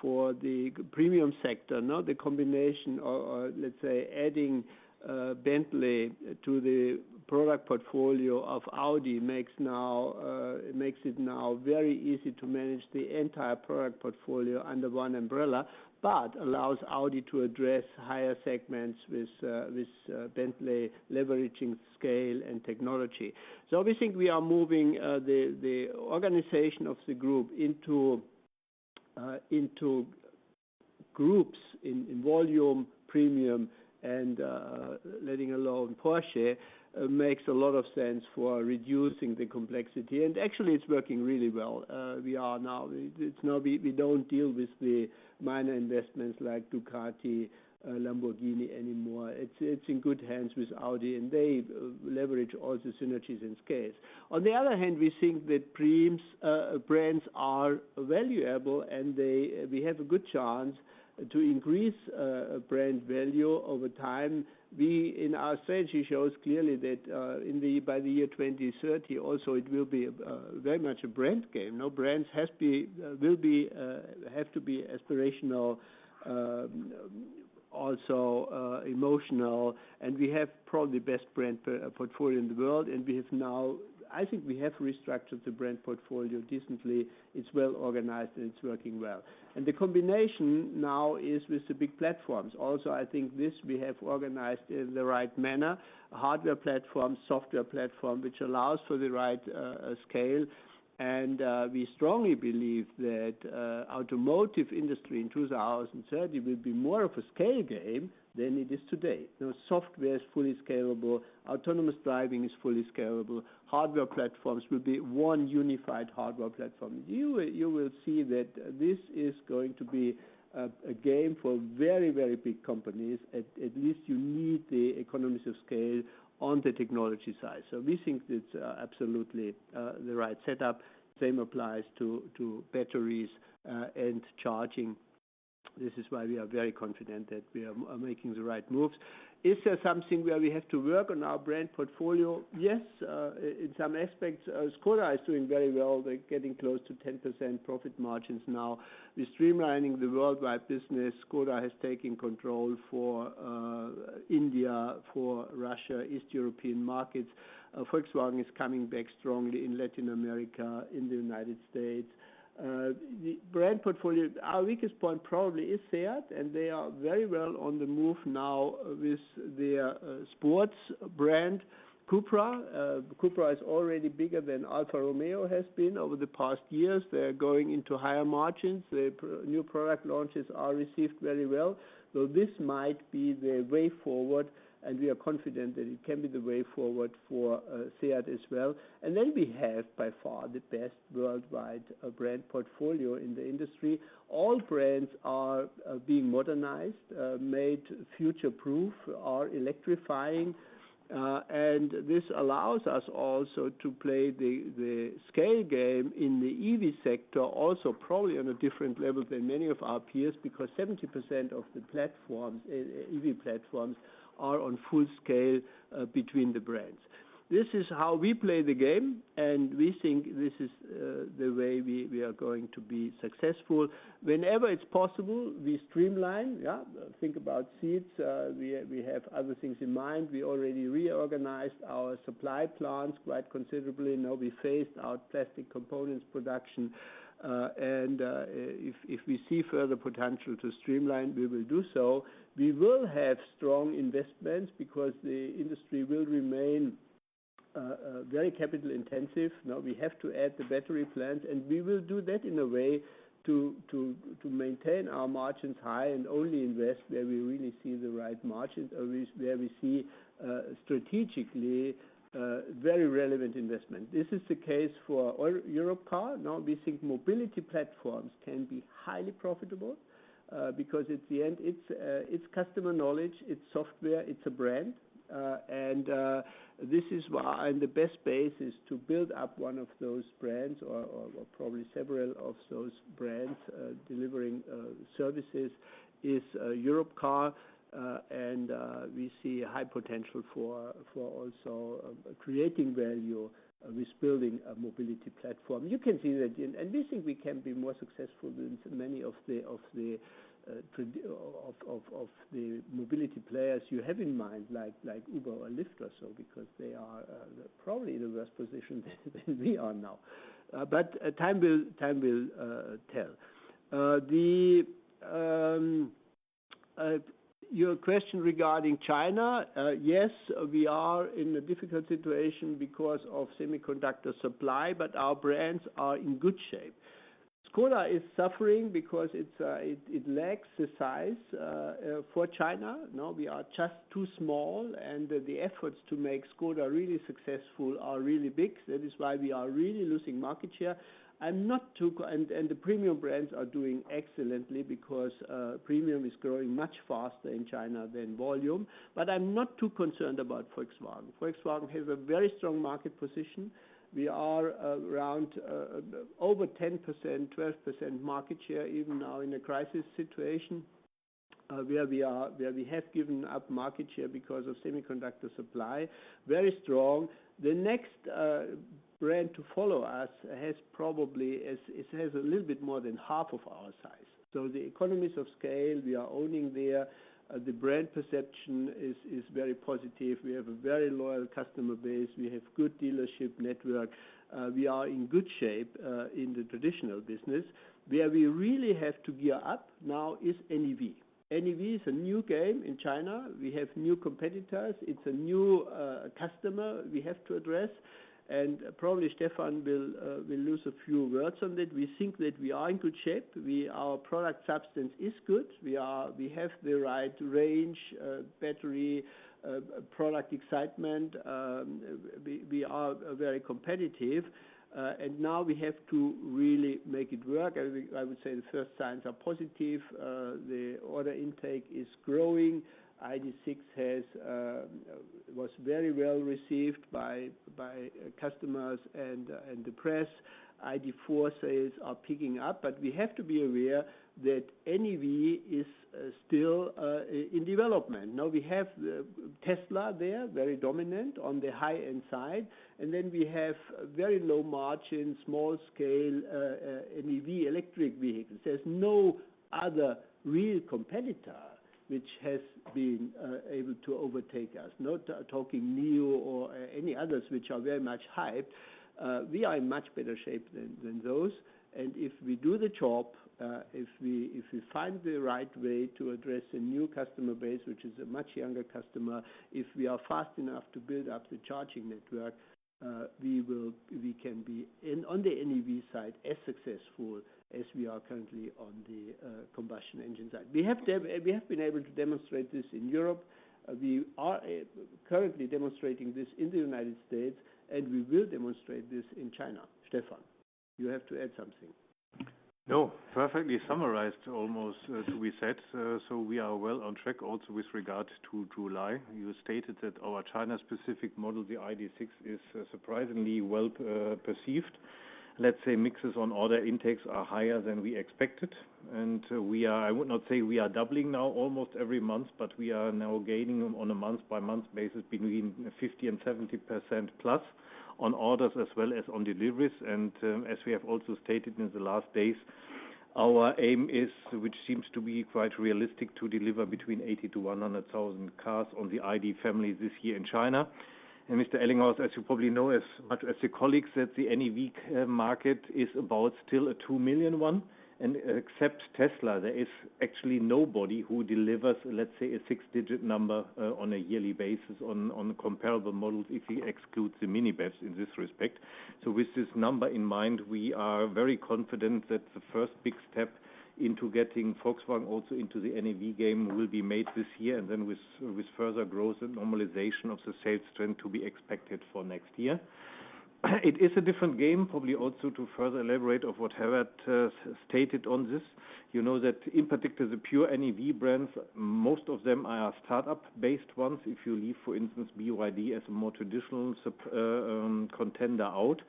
for the premium sector. The combination or, let's say, adding Bentley to the product portfolio of Audi makes it now very easy to manage the entire product portfolio under one umbrella, but allows Audi to address higher segments with Bentley leveraging scale and technology. We think we are moving the organization of the group into groups in volume premium and letting alone Porsche makes a lot of sense for reducing the complexity. Actually it's working really well. We don't deal with the minor investments like Ducati, Lamborghini anymore. It's in good hands with Audi, and they leverage all the synergies and scales. On the other hand, we think that premium brands are valuable, and we have a good chance to increase brand value over time. In our strategy shows clearly that by the year 2030 also, it will be very much a brand game. Now brands have to be aspirational, also emotional, and we have probably the best brand portfolio in the world, and I think we have restructured the brand portfolio decently. It's well-organized, and it's working well. The combination now is with the big platforms. Also, I think this we have organized in the right manner. Hardware platform, software platform, which allows for the right scale. We strongly believe that automotive industry in 2030 will be more of a scale game than it is today. Software is fully scalable, autonomous driving is fully scalable. Hardware platforms will be one unified hardware platform. You will see that this is going to be a game for very, very big companies. At least you need the economies of scale on the technology side. We think it's absolutely the right setup. Same applies to batteries and charging. This is why we are very confident that we are making the right moves. Is there something where we have to work on our brand portfolio? Yes, in some aspects. Škoda is doing very well. They're getting close to 10% profit margins now. We're streamlining the worldwide business. Škoda has taken control for India, for Russia, East European markets. Volkswagen is coming back strongly in Latin America, in the United States. The brand portfolio, our weakest point probably is SEAT, and they are very well on the move now with their sports brand, CUPRA. CUPRA is already bigger than Alfa Romeo has been over the past years. They are going into higher margins. Their new product launches are received very well, so this might be the way forward, and we are confident that it can be the way forward for SEAT as well. We have, by far, the best worldwide brand portfolio in the industry. All brands are being modernized, made future-proof, are electrifying. This allows us also to play the scale game in the EV sector also, probably on a different level than many of our peers, because 70% of the EV platforms are on full scale between the brands. This is how we play the game, and we think this is the way we are going to be successful. Whenever it's possible, we streamline. Think about SEAT. We have other things in mind. We already reorganized our supply plans quite considerably. We phased out plastic components production. If we see further potential to streamline, we will do so. We will have strong investments because the industry will remain very capital intensive. We have to add the battery plant, and we will do that in a way to maintain our margins high and only invest where we really see the right margins, or where we see strategically very relevant investment. This is the case for Europcar. We think mobility platforms can be highly profitable, because at the end, it's customer knowledge, it's software, it's a brand. The best basis to build up one of those brands, or probably several of those brands delivering services, is Europcar. We see high potential for also creating value with building a mobility platform. You can see that. We think we can be more successful than many of the mobility players you have in mind, like Uber or Lyft or so, because they are probably in a worse position than we are now. Time will tell. Your question regarding China. Yes, we are in a difficult situation because of semiconductor supply, but our brands are in good shape. Škoda is suffering because it lacks the size for China. Now we are just too small, and the efforts to make Škoda really successful are really big. That is why we are really losing market share. The premium brands are doing excellently because premium is growing much faster in China than volume. I'm not too concerned about Volkswagen. Volkswagen has a very strong market position. We are around over 10%, 12% market share even now in a crisis situation, where we have given up market share because of semiconductor supply. Very strong. The next brand to follow us has probably, it has a little bit more than half of our size. The economies of scale, we are owning there. The brand perception is very positive. We have a very loyal customer base. We have good dealership network. We are in good shape in the traditional business. Where we really have to gear up now is NEV. NEV is a new game in China. We have new competitors. It's a new customer we have to address. Probably Stephan will lose a few words on it. We think that we are in good shape. Our product substance is good. We have the right range, battery, product excitement. We are very competitive. Now we have to really make it work. I would say the first signs are positive. The order intake is growing. ID.6 was very well received by customers and the press. ID.4 sales are picking up, but we have to be aware that NEV is still in development. Now we have Tesla there, very dominant on the high-end side. Then we have very low margin, small scale NEV electric vehicles. There's no other real competitor which has been able to overtake us. Not talking NIO or any others which are very much hyped. We are in much better shape than those. If we do the job, if we find the right way to address a new customer base, which is a much younger customer, if we are fast enough to build up the charging network, we can be, on the NEV side, as successful as we are currently on the combustion engine side. We have been able to demonstrate this in Europe. We are currently demonstrating this in the United States, and we will demonstrate this in China. Stephan, you have to add something. No. Perfectly summarized, almost, as we said. We are well on track also with regard to July. You stated that our China-specific model, the ID.6, is surprisingly well-perceived. Let's say mixes on order intakes are higher than we expected. I would not say we are doubling now almost every month, but we are now gaining on a month-by-month basis between 50%-70%+ on orders as well as on deliveries. As we have also stated in the last days, our aim is, which seems to be quite realistic, to deliver between 80,000-100,000 cars on the ID family this year in China. Mr. Ellinghorst, as you probably know as much as the colleagues that the NEV market is about still a 2 million units. Except Tesla, there is actually nobody who delivers, let's say, a six-digit number on a yearly basis on comparable models if you exclude the minivans in this respect. With this number in mind, we are very confident that the first big step into getting Volkswagen also into the NEV game will be made this year. Then with further growth and normalization of the sales trend to be expected for next year. It is a different game, probably also to further elaborate of what Herbert stated on this. You know that in particular, the pure NEV brands, most of them are startup-based ones. If you leave, for instance, BYD as a more traditional contender out,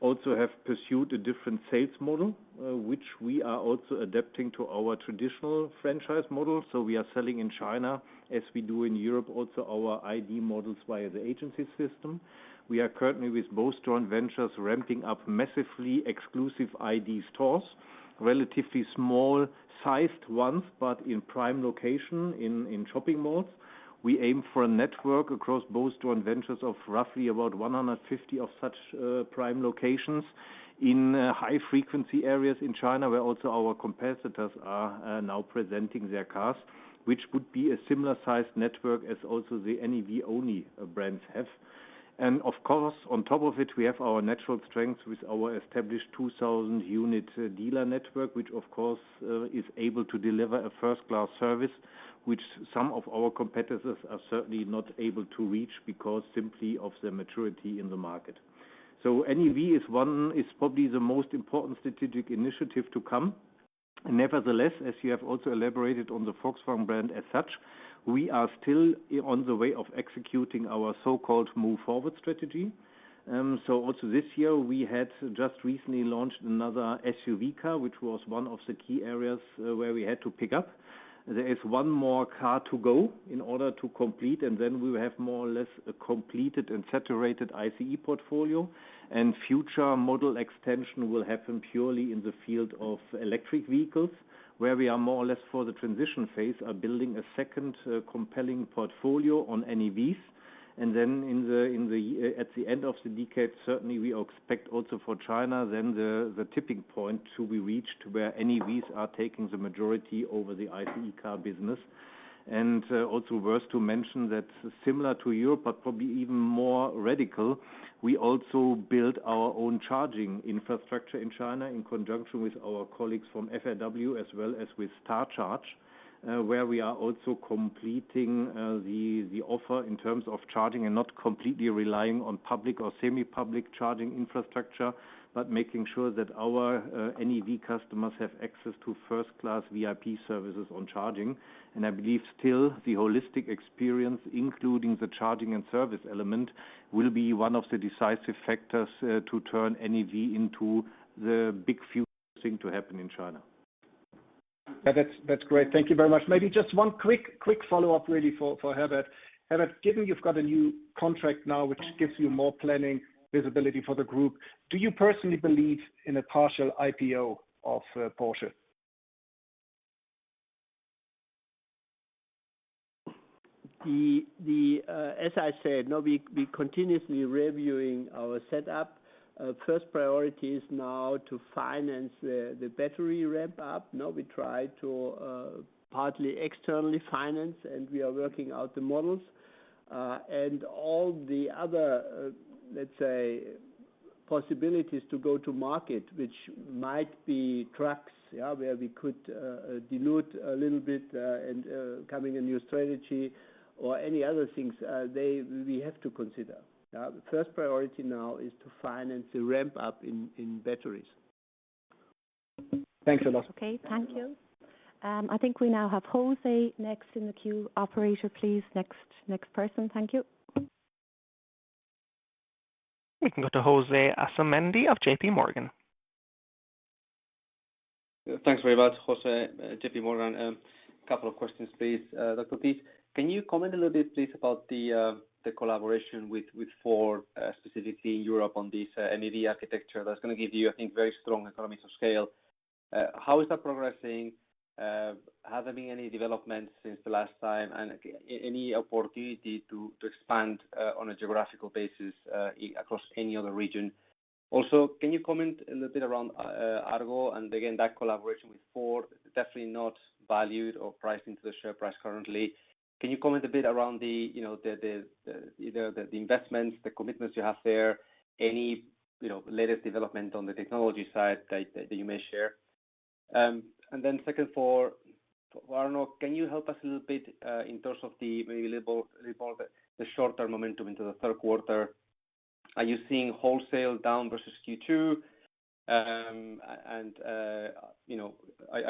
also have pursued a different sales model, which we are also adapting to our traditional franchise model. We are selling in China, as we do in Europe also, our ID models via the agency system. We are currently with both joint ventures ramping up massively exclusive ID stores, relatively small-sized ones, but in prime location in shopping malls. We aim for a network across both joint ventures of roughly about 150 of such prime locations in high-frequency areas in China, where also our competitors are now presenting their cars, which would be a similar sized network as also the NEV-only brands have. Of course, on top of it, we have our natural strength with our established 2,000 unit dealer network, which of course, is able to deliver a first-class service, which some of our competitors are certainly not able to reach because simply of the maturity in the market. NEV is probably the most important strategic initiative to come. Nevertheless, as you have also elaborated on the Volkswagen brand as such, we are still on the way of executing our so-called Move Forward strategy. Also this year, we had just recently launched another SUV car, which was one of the key areas where we had to pick up. There is one more car to go in order to complete, and then we will have more or less a completed and saturated ICE portfolio. Future model extension will happen purely in the field of electric vehicles, where we are more or less for the transition phase, are building a second compelling portfolio on NEVs. Then at the end of the decade, certainly, we expect also for China, then the tipping point to be reached where NEVs are taking the majority over the ICE car business. Also worth to mention that similar to Europe, but probably even more radical, we also build our own charging infrastructure in China in conjunction with our colleagues from FAW as well as with Star Charge, where we are also completing the offer in terms of charging and not completely relying on public or semi-public charging infrastructure. Making sure that our NEV customers have access to first-class VIP services on charging. I believe still the holistic experience, including the charging and service element, will be one of the decisive factors to turn NEV into the big future thing to happen in China. That's great. Thank you very much. Maybe just one quick follow-up really for Herbert. Herbert, given you've got a new contract now, which gives you more planning visibility for the group, do you personally believe in a partial IPO of Porsche? As I said, we continuously reviewing our setup. First priority is now to finance the battery ramp-up. We try to partly externally finance, and we are working out the models. All the other, let's say, possibilities to go to market, which might be trucks, where we could dilute a little bit and coming a new strategy or any other things, we have to consider. The first priority now is to finance the ramp-up in batteries. Thanks a lot. Okay, thank you. I think we now have José next in the queue. Operator, please, next person. Thank you. We can go to José Asumendi of JPMorgan. Thanks very much. José, JPMorgan. Couple of questions, please. Dr. Diess, can you comment a little bit, please, about the collaboration with Ford, specifically in Europe on this NEV architecture that's going to give you, I think, very strong economies of scale. How is that progressing? Has there been any developments since the last time? Any opportunity to expand on a geographical basis across any other region? Also, can you comment a little bit around Argo and again, that collaboration with Ford, definitely not valued or priced into the share price currently. Can you comment a bit around either the investments, the commitments you have there, any latest development on the technology side that you may share? Second for Arno, can you help us a little bit in terms of the maybe little bit the short-term momentum into the third quarter? Are you seeing wholesale down versus Q2? Are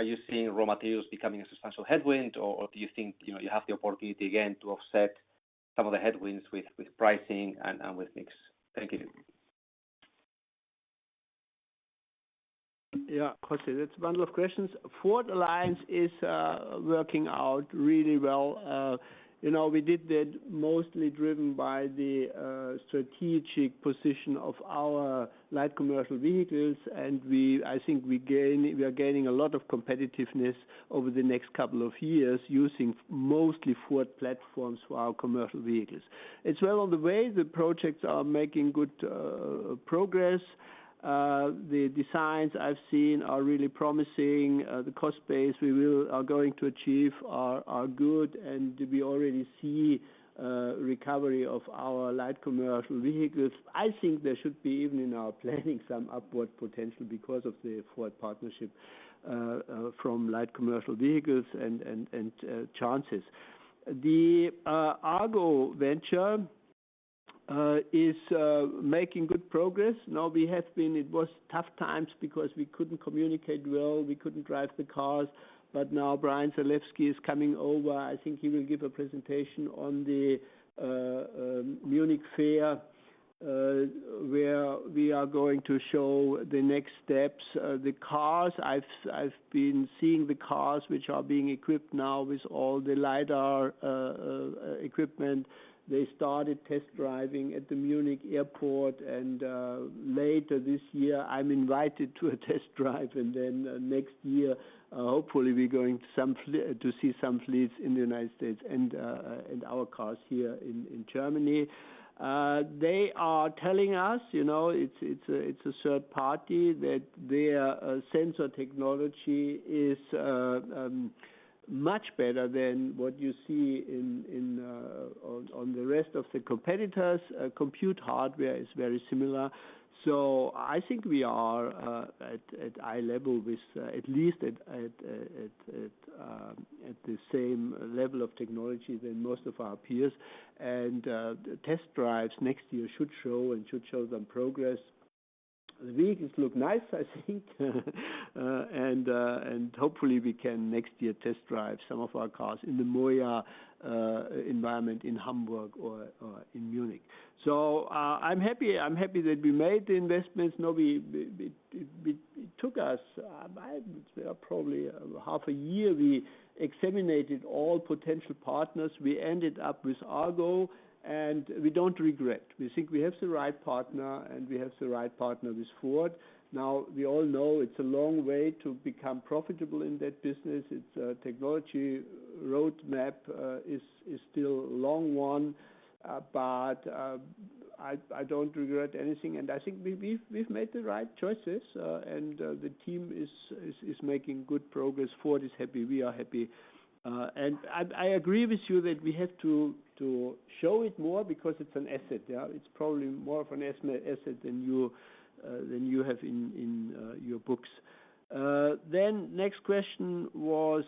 you seeing raw materials becoming a substantial headwind, or do you think you have the opportunity again to offset some of the headwinds with pricing and with mix. Thank you. Yeah, of course. That's a bundle of questions. Ford Alliance is working out really well. We did that mostly driven by the strategic position of our light commercial vehicles, and I think we are gaining a lot of competitiveness over the next couple of years using mostly Ford platforms for our commercial vehicles. It's well on the way. The projects are making good progress. The designs I've seen are really promising. The cost base we are going to achieve are good, and we already see recovery of our light commercial vehicles. I think there should be, even in our planning, some upward potential because of the Ford partnership from light commercial vehicles and chances. The Argo venture is making good progress. Now, it was tough times because we couldn't communicate well, we couldn't drive the cars. Now Bryan Salesky is coming over. I think he will give a presentation on the Munich Fair, where we are going to show the next steps. The cars, I've been seeing the cars which are being equipped now with all the LiDAR equipment. They started test driving at the Munich Airport, and later this year, I'm invited to a test drive and then next year, hopefully we're going to see some fleets in the United States and our cars here in Germany. They are telling us, it's a third party, that their sensor technology is much better than what you see on the rest of the competitors. Compute hardware is very similar. I think we are at eye level with, at least at the same level of technology than most of our peers. Test drives next year should show some progress. The vehicles look nice, I think. Hopefully we can, next year, test drive some of our cars in the [MOIA] in Hamburg or in Munich. I'm happy that we made the investments. It took us, I would say, probably half a year. We examined all potential partners. We ended up with Argo, and we don't regret. We think we have the right partner, and we have the right partner with Ford. Now, we all know it's a long way to become profitable in that business. Its technology roadmap is still a long one. I don't regret anything, and I think we've made the right choices, and the team is making good progress. Ford is happy, we are happy. I agree with you that we have to show it more because it's an asset. It's probably more of an asset than you have in your books. Next question was.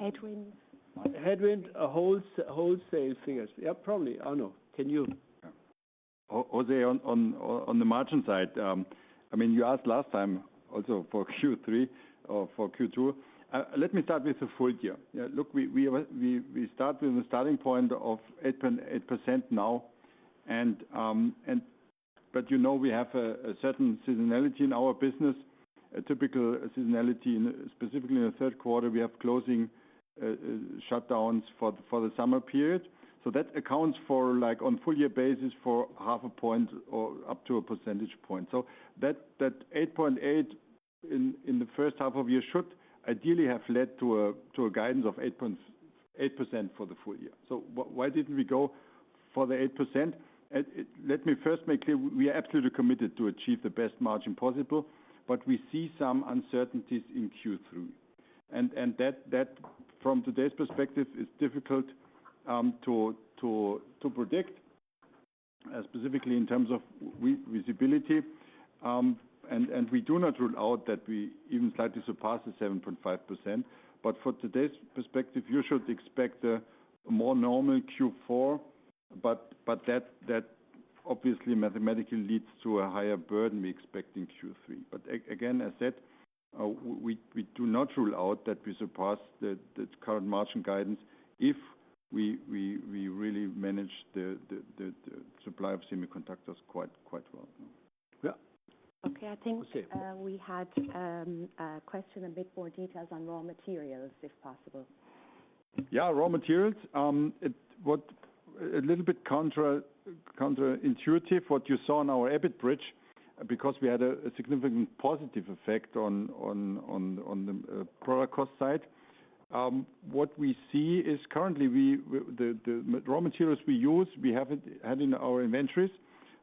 Headwinds headwinds, wholesale figures. Yeah, probably. Arno, can you? José, on the margin side, you asked last time also for Q3 or for Q2. Let me start with the full year. Look, we start with a starting point of 8.8% now, you know we have a certain seasonality in our business, a typical seasonality specifically in the third quarter. We have closing shutdowns for the summer period. That accounts for, on a full-year basis, for half a point or up to a percentage point. That 8.8% in the first half of the year should ideally have led to a guidance of 8.8% for the full year. Why didn't we go for the 8%? Let me first make clear, we are absolutely committed to achieve the best margin possible, we see some uncertainties in Q3. That, from today's perspective, is difficult to predict, specifically in terms of visibility. We do not rule out that we even slightly surpass the 7.5%. For today's perspective, you should expect a more normal Q4. That obviously mathematically leads to a higher burden we expect in Q3. Again, as said, we do not rule out that we surpass the current margin guidance if we really manage the supply of semiconductors quite well. Okay. I think we had a question, a bit more details on raw materials, if possible. Raw materials. A little bit counter-intuitive, what you saw on our EBIT bridge, because we had a significant positive effect on the product cost side. What we see is currently, the raw materials we use, we have it added in our inventories.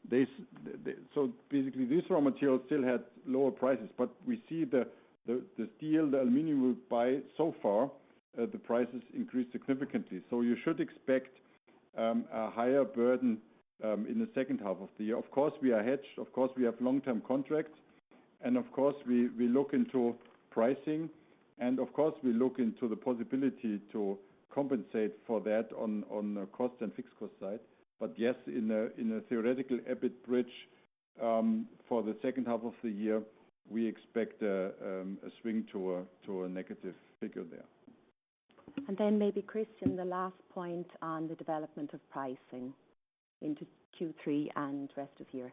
Basically, these raw materials still had lower prices, but we see the steel, the aluminum we buy, so far, the prices increased significantly. You should expect a higher burden in the second half of the year. Of course, we are hedged. Of course, we have long-term contracts, and of course, we look into pricing, and of course, we look into the possibility to compensate for that on the cost and fixed cost side. Yes, in a theoretical EBIT bridge for the second half of the year, we expect a swing to a negative figure there. Maybe Christian, the last point on the development of pricing into Q3 and rest of year.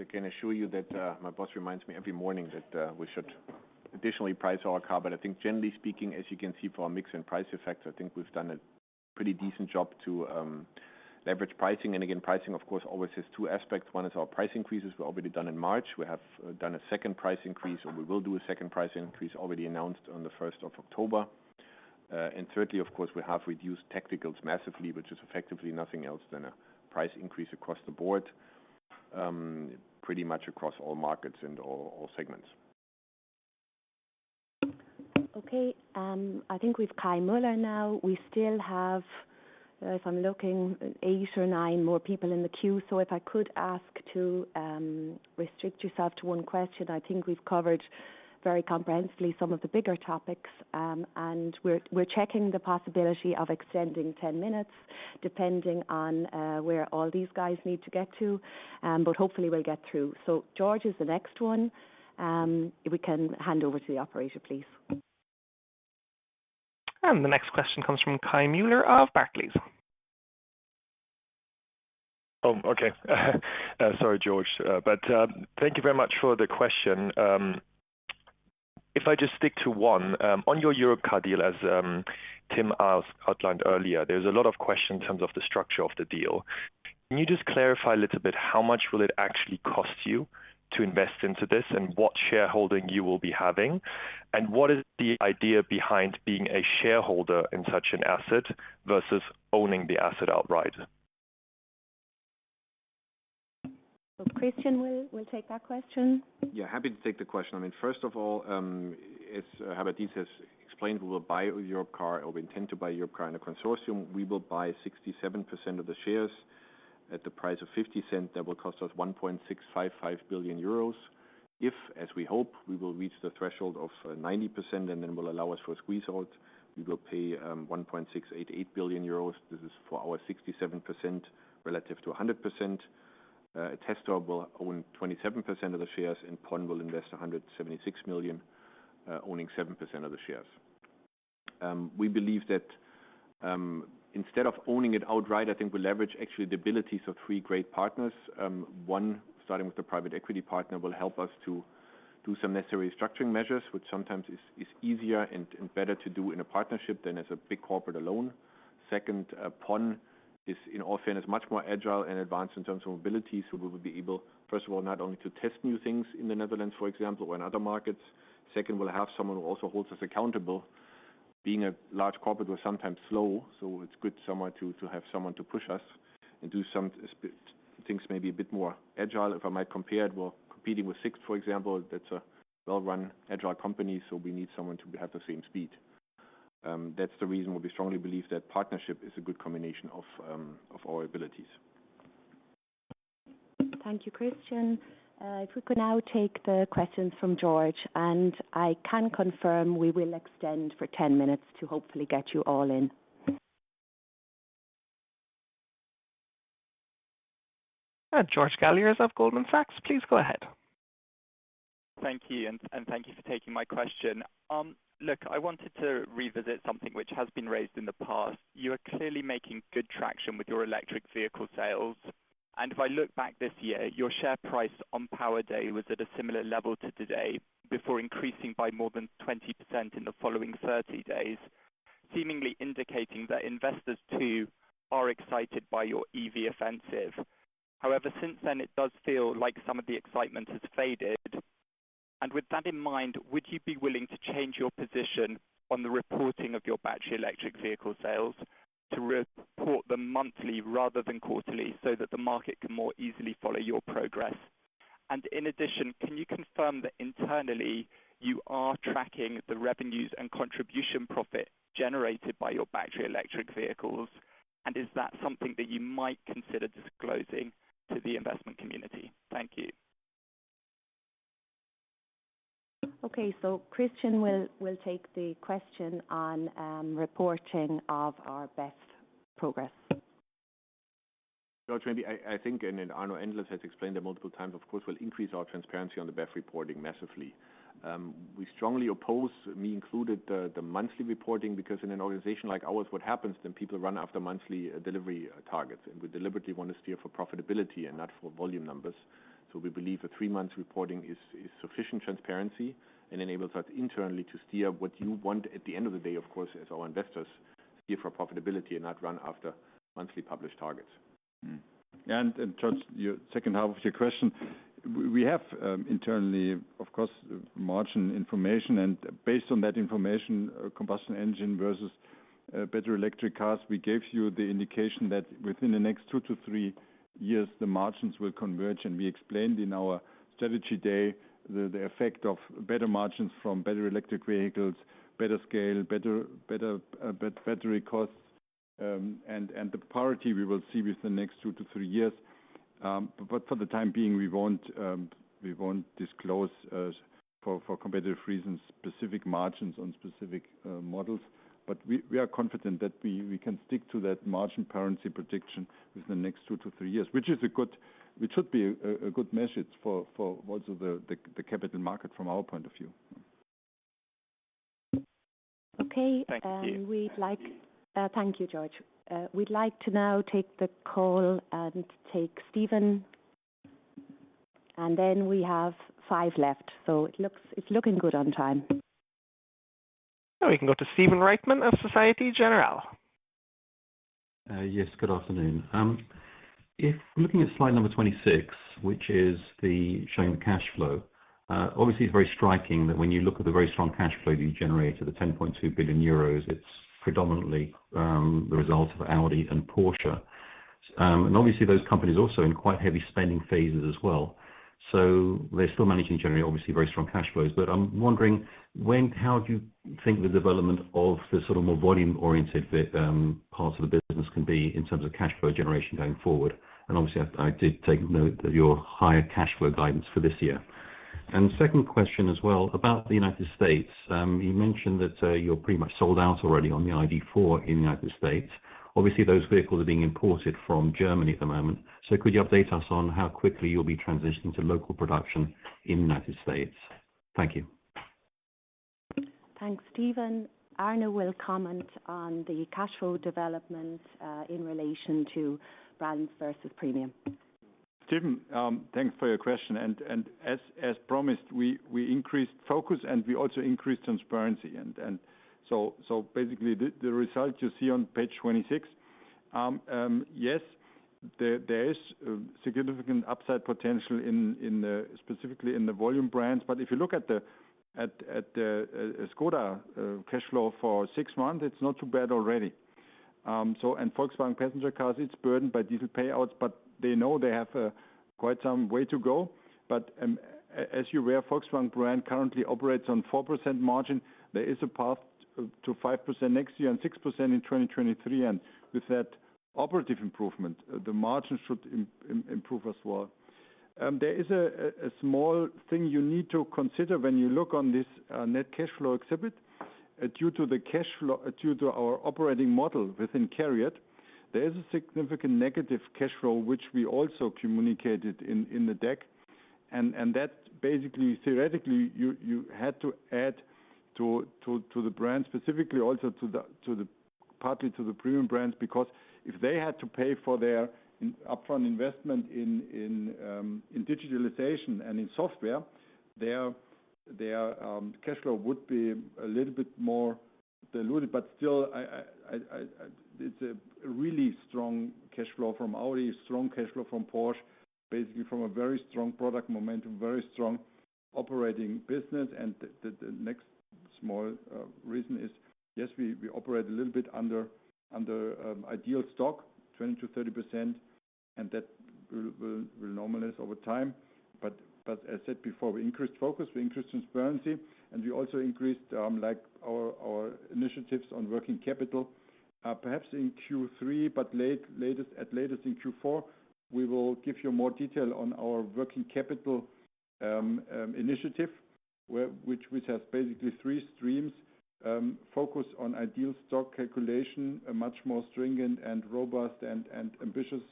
I can assure you that my boss reminds me every morning that we should additionally price our car. I think generally speaking, as you can see from our mix and price effects, I think we've done a pretty decent job to leverage pricing. Again, pricing, of course, always has two aspects. One is our price increases were already done in March. We have done a second price increase, or we will do a second price increase already announced on the 1st of October. Thirdly, of course, we have reduced technicals massively, which is effectively nothing else than a price increase across the board, pretty much across all markets and all segments. Okay. I think with Kai Mueller now, we still have, as I'm looking, eight or nine more people in the queue. If I could ask to restrict yourself to one question, I think we've covered very comprehensively some of the bigger topics. We're checking the possibility of extending 10 minutes, depending on where all these guys need to get to. Hopefully we'll get through. George is the next one. If we can hand over to the operator, please. The next question comes from Kai Mueller of Barclays. Okay. Sorry George. Thank you very much for the question. If I just stick to one, on your Europcar deal, as Tim outlined earlier, there's a lot of question in terms of the structure of the deal. Can you just clarify a little bit how much will it actually cost you to invest into this, and what shareholding you will be having? What is the idea behind being a shareholder in such an asset versus owning the asset outright? Christian will take that question. Happy to take the question. First of all, as Herbert Diess has explained, we will buy Europcar, or we intend to buy Europcar in a consortium. We will buy 67% of the shares at the price of 0.50. That will cost us 1.655 billion euros. If, as we hope, we will reach the threshold of 90% and then will allow us for a squeeze out, we will pay 1.688 billion euros. This is for our 67% relative to 100%. Attestor will own 27% of the shares, and Pon will invest 176 million, owning 7% of the shares. We believe that instead of owning it outright, I think we leverage actually the abilities of three great partners. One, starting with the private equity partner, will help us to do some necessary structuring measures, which sometimes is easier and better to do in a partnership than as a big corporate alone. Second, Pon is in often is much more agile and advanced in terms of mobility. We will be able, first of all, not only to test new things in the Netherlands, for example, or in other markets. Second, we'll have someone who also holds us accountable. Being a large corporate, we're sometimes slow, so it's good to have someone to push us and do some things maybe a bit more agile, if I might compare it. Well, competing with Sixt, for example, that's a well-run agile company, so we need someone to be at the same speed. That's the reason why we strongly believe that partnership is a good combination of our abilities. Thank you, Christian. If we could now take the questions from George, and I can confirm we will extend for 10 minutes to hopefully get you all in. George Galliers of Goldman Sachs, please go ahead. Thank you. Thank you for taking my question. Look, I wanted to revisit something which has been raised in the past. You are clearly making good traction with your electric vehicle sales. If I look back this year, your share price on Power Day was at a similar level to today, before increasing by more than 20% in the following 30 days, seemingly indicating that investors too are excited by your EV offensive. However, since then, it does feel like some of the excitement has faded. With that in mind, would you be willing to change your position on the reporting of your battery electric vehicle sales to report them monthly rather than quarterly, so that the market can more easily follow your progress? In addition, can you confirm that internally you are tracking the revenues and contribution profit generated by your battery electric vehicles, and is that something that you might consider disclosing to the investment community? Thank you. Okay, Christian will take the question on reporting of our BEV progress. George, maybe I think Arno has explained it multiple times, of course, we'll increase our transparency on the BEV reporting massively. We strongly oppose, me included, the monthly reporting, because in an organization like ours, what happens then people run after monthly delivery targets, we deliberately want to steer for profitability and not for volume numbers. We believe the three months reporting is sufficient transparency and enables us internally to steer what you want at the end of the day, of course, as our investors steer for profitability and not run after monthly published targets. George, your second half of your question. We have internally, of course, margin information, and based on that information, combustion engine versus battery electric cars, we gave you the indication that within the next two to three years, the margins will converge. We explained in our strategy day the effect of better margins from battery electric vehicles, better scale, better battery costs, and the parity we will see within the next two to three years. For the time being, we won't disclose for competitive reasons, specific margins on specific models. We are confident that we can stick to that margin convergence prediction within the next two to three years, which should be a good measure for most of the capital market from our point of view. Okay. Thank you. Thank you, George. We'd like to now take the call and take Stephen, and then we have five left, so it's looking good on time. Now we can go to Stephen Reitman of Société Générale. Yes, good afternoon. If looking at slide 26, which is showing the cash flow, obviously it's very striking that when you look at the very strong cash flow that you generated, the 10.2 billion euros, it's predominantly the result of Audi and Porsche. Obviously, those companies also in quite heavy spending phases as well. They're still managing to generate, obviously, very strong cash flows. I'm wondering how do you think the development of the more volume-oriented part of the business can be in terms of cash flow generation going forward? Obviously, I did take note of your higher cash flow guidance for this year. Second question as well about the United States. You mentioned that you're pretty much sold out already on the ID.4 in the United States. Obviously, those vehicles are being imported from Germany at the moment. Could you update us on how quickly you'll be transitioning to local production in the United States? Thank you. Thanks, Stephen. Arno will comment on the cash flow development, in relation to brands versus premium. Stephen, thanks for your question. As promised, we increased focus and we also increased transparency. Basically, the result you see on page 26, yes, there is significant upside potential specifically in the volume brands. If you look at the Škoda cash flow for six months, it's not too bad already. Volkswagen Passenger Cars, is burdened by diesel payouts, but they know they have quite some way to go. As you're aware, Volkswagen brand currently operates on 4% margin. There is a path to 5% next year and 6% in 2023. With that operative improvement, the margin should improve as well. There is a small thing you need to consider when you look on this net cash flow exhibit. Due to our operating model within CARIAD, there is a significant negative cash flow, which we also communicated in the deck. That basically, theoretically, you had to add to the brand specifically also partly to the premium brands because if they had to pay for their upfront investment in digitalization and in software, their cash flow would be a little bit more diluted. Still, it's a really strong cash flow from Audi, strong cash flow from Porsche, basically from a very strong product momentum, very strong operating business. The next small reason is, yes, we operate a little bit under ideal stock, 20%-30%, and that will normalize over time. As said before, we increased focus, we increased transparency, and we also increased our initiatives on working capital. Perhaps in Q3, but at latest in Q4, we will give you more detail on our working capital initiative, which has basically three streams: focus on ideal stock calculation, a much more stringent and robust and ambitious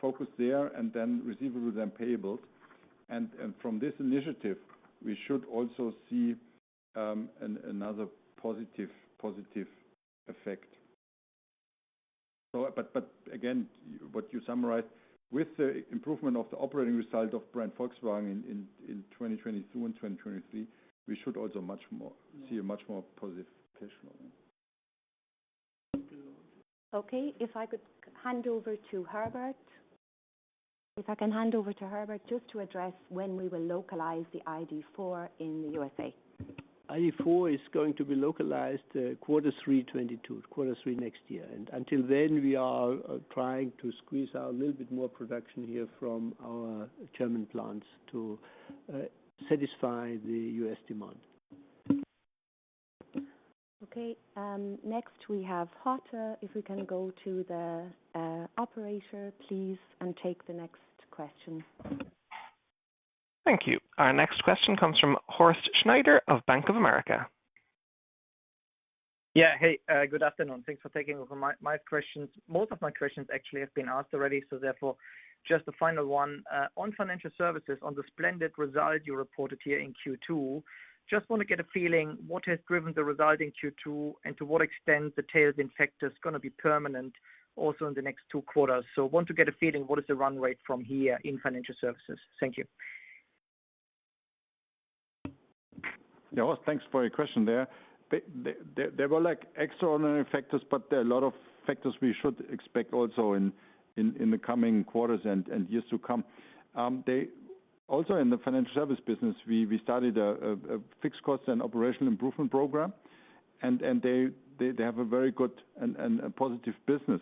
focus there, then receivables and payables. From this initiative, we should also see another positive effect. Again, what you summarize with the improvement of the operating result of Brand Volkswagen in 2022 and 2023, we should also see a much more positive cash flow. Okay. If I could hand over to Herbert. If I can hand over to Herbert just to address when we will localize the ID.4 in the USA ID.4 is going to be localized quarter three 2022, quarter three next year. Until then, we are trying to squeeze out a little bit more production here from our German plants to satisfy the U.S. demand. Okay. Next we have Horst. If we can go to the operator, please, and take the next question. Thank you. Our next question comes from Horst Schneider of Bank of America. Yeah. Hey, good afternoon. Thanks for taking over my questions. Most of my questions actually have been asked already. Therefore, just the final one. On financial services, on the splendid result you reported here in Q2, just want to get a feeling what has driven the result in Q2, and to what extent the tailwind effect is going to be permanent also in the next two quarters. I want to get a feeling, what is the run rate from here in financial services? Thank you. Horst, thanks for your question there. There were extraordinary factors, but there are a lot of factors we should expect also in the coming quarters and years to come. In the financial service business, we started a fixed-cost and operational improvement program, they have a very good and a positive business.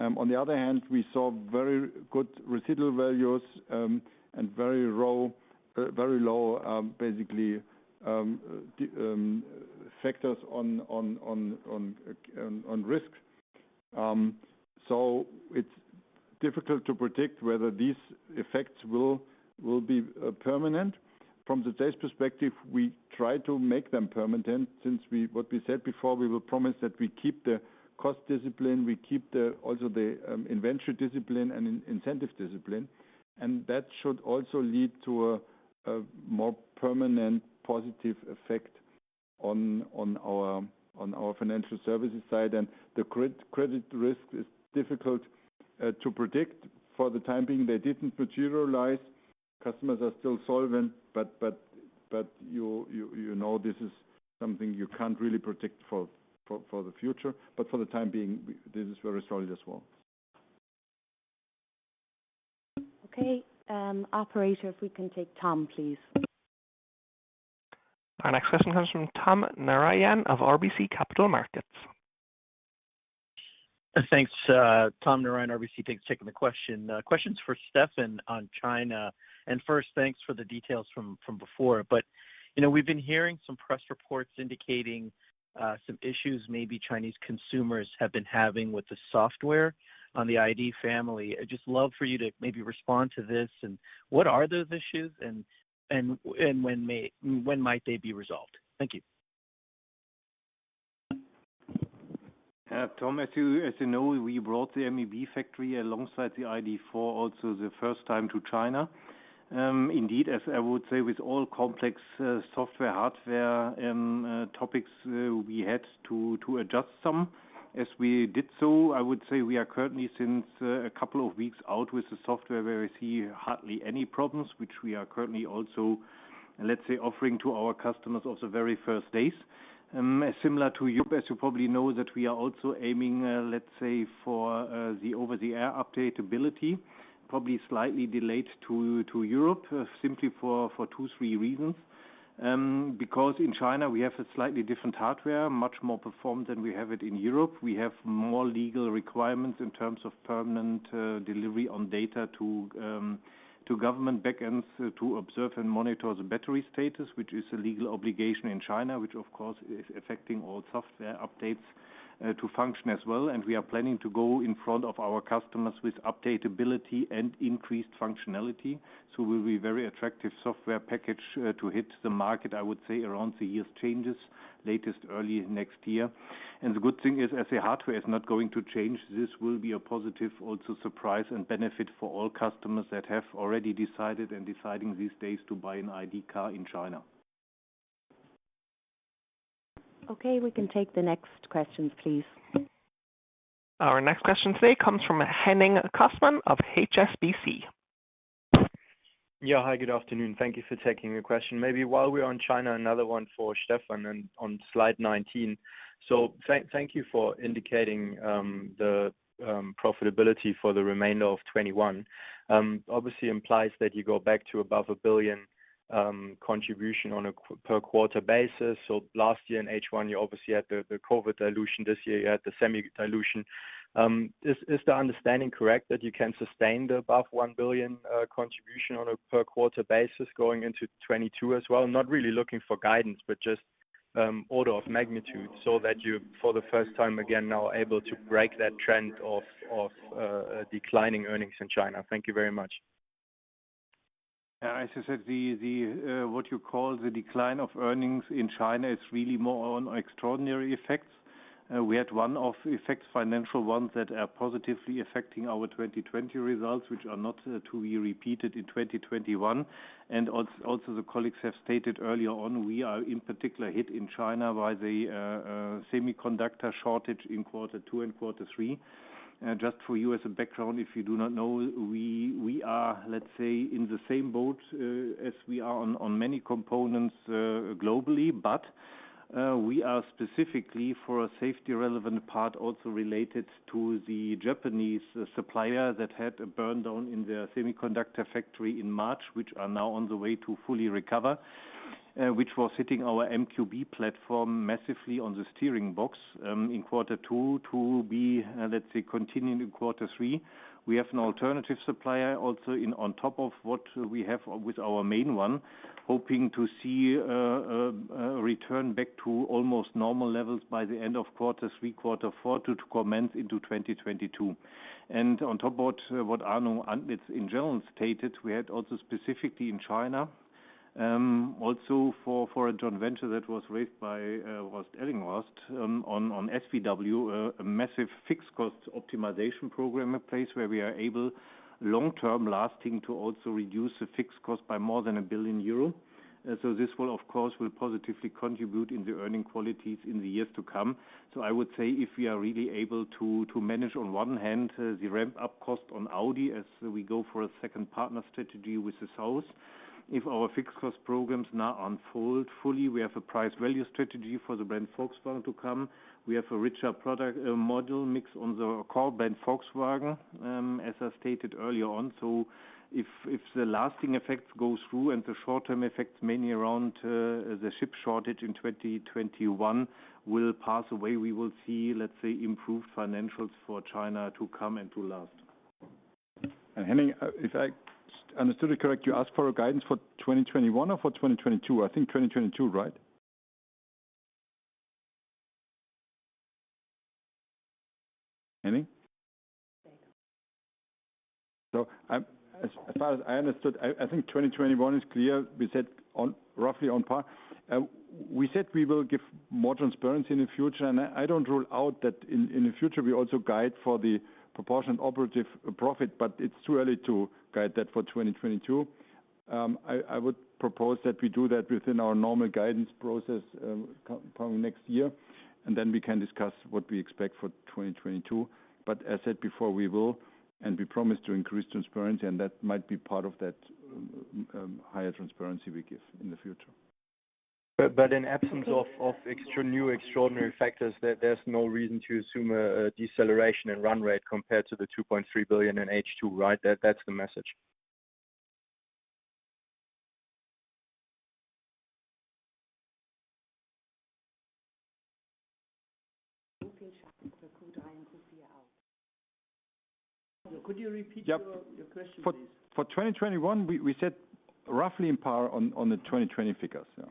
On the other hand, we saw very good residual values, and very low, basically, factors on risks. It's difficult to predict whether these effects will be permanent. From the sales perspective, we try to make them permanent, since what we said before, we will promise that we keep the cost discipline, we keep also the inventory discipline and incentive discipline. That should also lead to a more permanent positive effect on our financial services side. The credit risk is difficult to predict. For the time being, they didn't materialize. Customers are still solvent, you know this is something you can't really predict for the future. For the time being, this is very solid as well. Okay. Operator, if we can take Tom, please. Our next question comes from Tom Narayan of RBC Capital Markets. Thanks. Tom Narayan, RBC. Thanks for taking the question. Question is for Stephan on China. First, thanks for the details from before. We've been hearing some press reports indicating some issues maybe Chinese consumers have been having with the software on the ID family. I'd just love for you to maybe respond to this, and what are those issues, and when might they be resolved? Thank you. Tom, as you know, we brought the MEB factory alongside the ID.4 also the first time to China. Indeed, as I would say, with all complex software, hardware, and topics, we had to adjust some. As we did so, I would say we are currently, since a couple of weeks out with the software, where we see hardly any problems, which we are currently also, let's say, offering to our customers also very first days. Similar to you, as you probably know, that we are also aiming, let's say, for the over-the-air update ability, probably slightly delayed to Europe, simply for two, three reasons. Because in China we have a slightly different hardware, much more performed than we have it in Europe. We have more legal requirements in terms of permanent delivery on data to government backends to observe and monitor the battery status, which is a legal obligation in China, which, of course, is affecting all software updates to function as well. We are planning to go in front of our customers with update ability and increased functionality. We'll be very attractive software package to hit the market, I would say around the year's changes, latest early next year. The good thing is, as the hardware is not going to change, this will be a positive also surprise and benefit for all customers that have already decided and deciding these days to buy an ID. car in China. Okay. We can take the next questions, please. Our next question today comes from Henning Cosman of HSBC. Yeah. Hi, good afternoon. Thank you for taking the question. Maybe while we're on China, another one for Stephan and on slide 19. Thank you for indicating the profitability for the remainder of 2021. Obviously implies that you go back to above a 1 billion contribution on a per quarter basis. Last year in H1, you obviously had the COVID dilution. This year, you had the semi dilution. Is the understanding correct that you can sustain the above 1 billion contribution on a per quarter basis going into 2022 as well? Not really looking for guidance, but just order of magnitude so that you, for the first time, again, now are able to break that trend of declining earnings in China. Thank you very much. As I said, what you call the decline of earnings in China is really more on extraordinary effects. We had one-off effects, financial ones, that are positively affecting our 2020 results, which are not to be repeated in 2021. The colleagues have stated earlier on, we are in particular hit in China by the semiconductor shortage in quarter two and quarter three. Just for you as a background, if you do not know, we are, let's say, in the same boat as we are on many components globally. We are specifically for a safety relevant part also related to the Japanese supplier that had a burn down in their semiconductor factory in March, which are now on the way to fully recover. Which was hitting our MQB platform massively on the steering box in quarter two to be, let's say, continuing in quarter three. We have an alternative supplier also in on top of what we have with our main one, hoping to see a return back to almost normal levels by the end of quarter three, quarter four to commence into 2022. On top what Arno in general stated, we had also specifically in China, also for a joint venture that was raised by Ellinghorst on SVW, a massive fixed cost optimization program in place where we are able long-term lasting to also reduce the fixed cost by more than 1 billion euro. This will, of course, positively contribute in the earning qualities in the years to come. I would say if we are really able to manage on one hand the ramp-up cost on Audi as we go for a second partner strategy with the South. If our fixed cost programs now unfold fully, we have a price value strategy for the brand Volkswagen to come. We have a richer product module mix on the core brand Volkswagen, as I stated earlier on. If the lasting effects go through and the short-term effects mainly around the chip shortage in 2021 will pass away, we will see, let's say, improved financials for China to come and to last. Henning, if I understood it correctly, you asked for a guidance for 2021 or for 2022? I think 2022, right? Henning? As far as I understood, I think 2021 is clear. We said roughly on par. We said we will give more transparency in the future, and I don't rule out that in the future, we also guide for the proportionate operative profit, but it's too early to guide that for 2022. I would propose that we do that within our normal guidance process coming next year, and then we can discuss what we expect for 2022. As said before, we will, and we promise to increase transparency, and that might be part of that higher transparency we give in the future. In absence of new extraordinary factors, there's no reason to assume a deceleration in run rate compared to the 2.3 billion in H2, right? That's the message. Could you repeat your question, please? For 2021, we said roughly on par on the 2020 figures, yeah.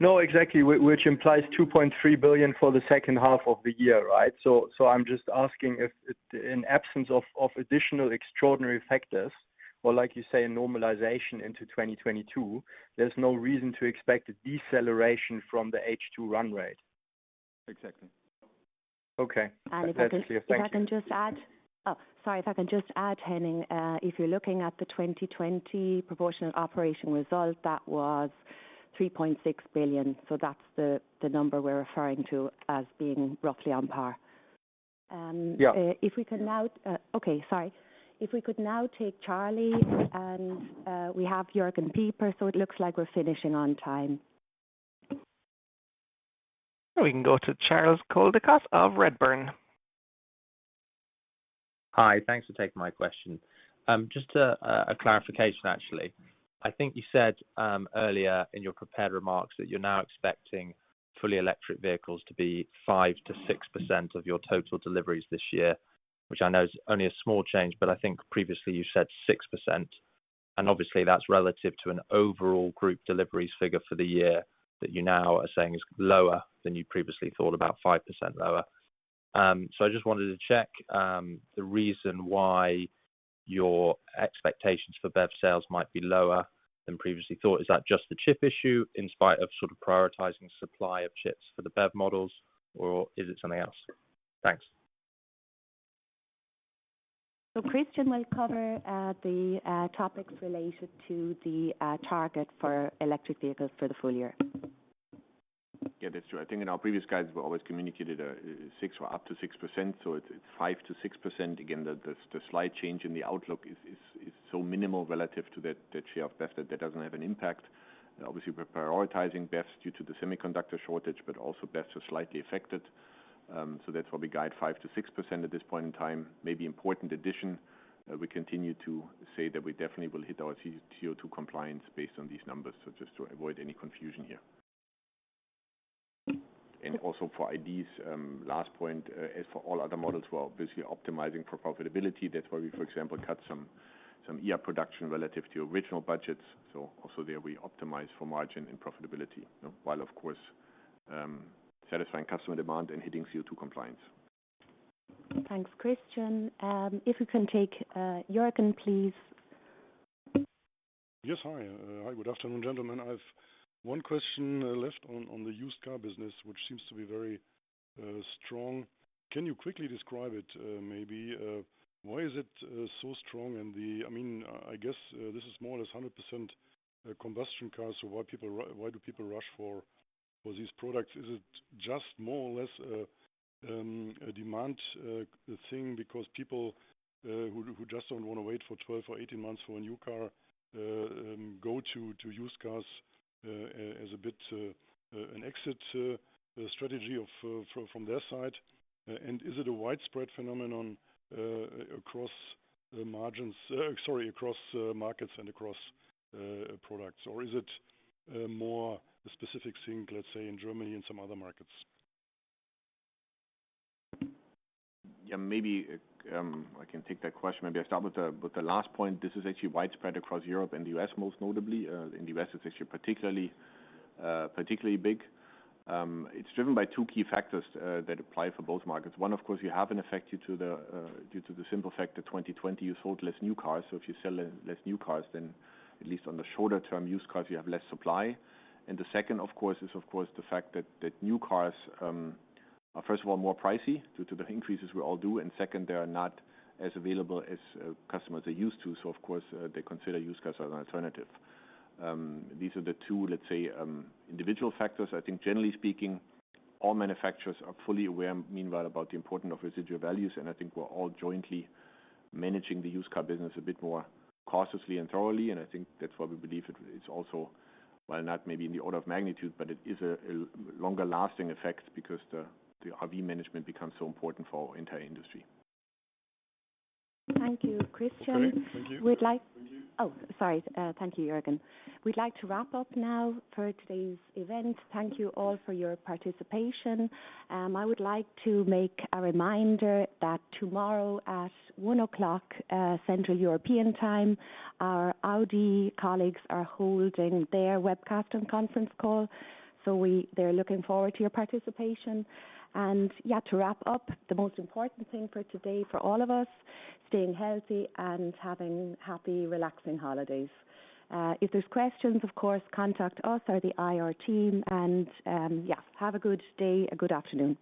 No, exactly. Which implies 2.3 billion for the second half of the year, right? I'm just asking if in absence of additional extraordinary factors, or like you say, a normalization into 2022, there's no reason to expect a deceleration from the H2 run rate. Exactly. Okay. That's clear. Thank you. If I can just add, Henning, if you're looking at the 2020 proportionate operation result, that was 3.6 billion. That's the number we're referring to as being roughly on par. Yeah. Okay. Sorry. If we could now take Charles, and we have Jürgen Pieper, so it looks like we're finishing on time. We can go to Charles Coldicott of Redburn. Hi. Thanks for taking my question. Just a clarification, actually. I think you said earlier in your prepared remarks that you're now expecting fully electric vehicles to be 5%-6% of your total deliveries this year, which I know is only a small change, but I think previously you said 6%. Obviously, that's relative to an overall group deliveries figure for the year that you now are saying is lower than you previously thought, about 5% lower. I just wanted to check the reason why your expectations for BEV sales might be lower than previously thought. Is that just the chip issue in spite of prioritizing supply of chips for the BEV models, or is it something else? Thanks. Christian will cover the topics related to the target for electric vehicles for the full year. That's true. I think in our previous guides, we always communicated up to 6%, so it's 5%-6%. Again, the slight change in the outlook is so minimal relative to the share of BEV that that doesn't have an impact. Obviously, we're prioritizing BEVs due to the semiconductor shortage, but also BEVs are slightly affected. That's why we guide 5%-6% at this point in time. Maybe important addition, we continue to say that we definitely will hit our CO2 compliance based on these numbers. Just to avoid any confusion here. Also, for IDs, last point, as for all other models, we're obviously optimizing for profitability. That's why we, for example, cut some production relative to original budgets. Also there, we optimize for margin and profitability, while of course, satisfying customer demand and hitting CO2 compliance. Thanks, Christian. If we can take Jürgen, please. Yes. Hi. Good afternoon, gentlemen. I have one question left on the used car business, which seems to be very strong. Can you quickly describe it, maybe? Why is it so strong? I guess this is more or less 100% combustion cars. Why do people rush for these products? Is it just more or less a demand thing because people who just don't want to wait for 12 or 18 months for a new car go to used cars as a bit an exit strategy from their side? Is it a widespread phenomenon across markets and across products, or is it more a specific thing, let's say, in Germany and some other markets? Yeah, maybe I can take that question. Maybe I start with the last point. This is actually widespread across Europe and the U.S. most notably. In the U.S., it's actually particularly big. It's driven by two key factors that apply for both markets. One, of course, you have an effect due to the simple fact that 2020 you sold less new cars. If you sell less new cars, then at least on the shorter term, used cars you have less supply. The second, of course, is the fact that new cars are first of all, more pricey due to the increases we all do, and second, they are not as available as customers are used to. Of course, they consider used cars as an alternative. These are the two, let's say, individual factors. I think generally speaking, all manufacturers are fully aware meanwhile about the importance of residual values, and I think we're all jointly managing the used car business a bit more cautiously and thoroughly, and I think that's why we believe it's also, while not maybe in the order of magnitude, but it is a longer-lasting effect because the RV management becomes so important for our entire industry. Thank you, Christian. Sorry. Thank you. Oh, sorry. Thank you, Jürgen. We'd like to wrap up now for today's event. Thank you all for your participation. I would like to make a reminder that tomorrow at 01:00 Central European Time, our Audi colleagues are holding their webcast and conference call. They're looking forward to your participation. To wrap up, the most important thing for today for all of us, staying healthy and having happy, relaxing holidays. If there's questions, of course, contact us or the IR team. Have a good day, a good afternoon.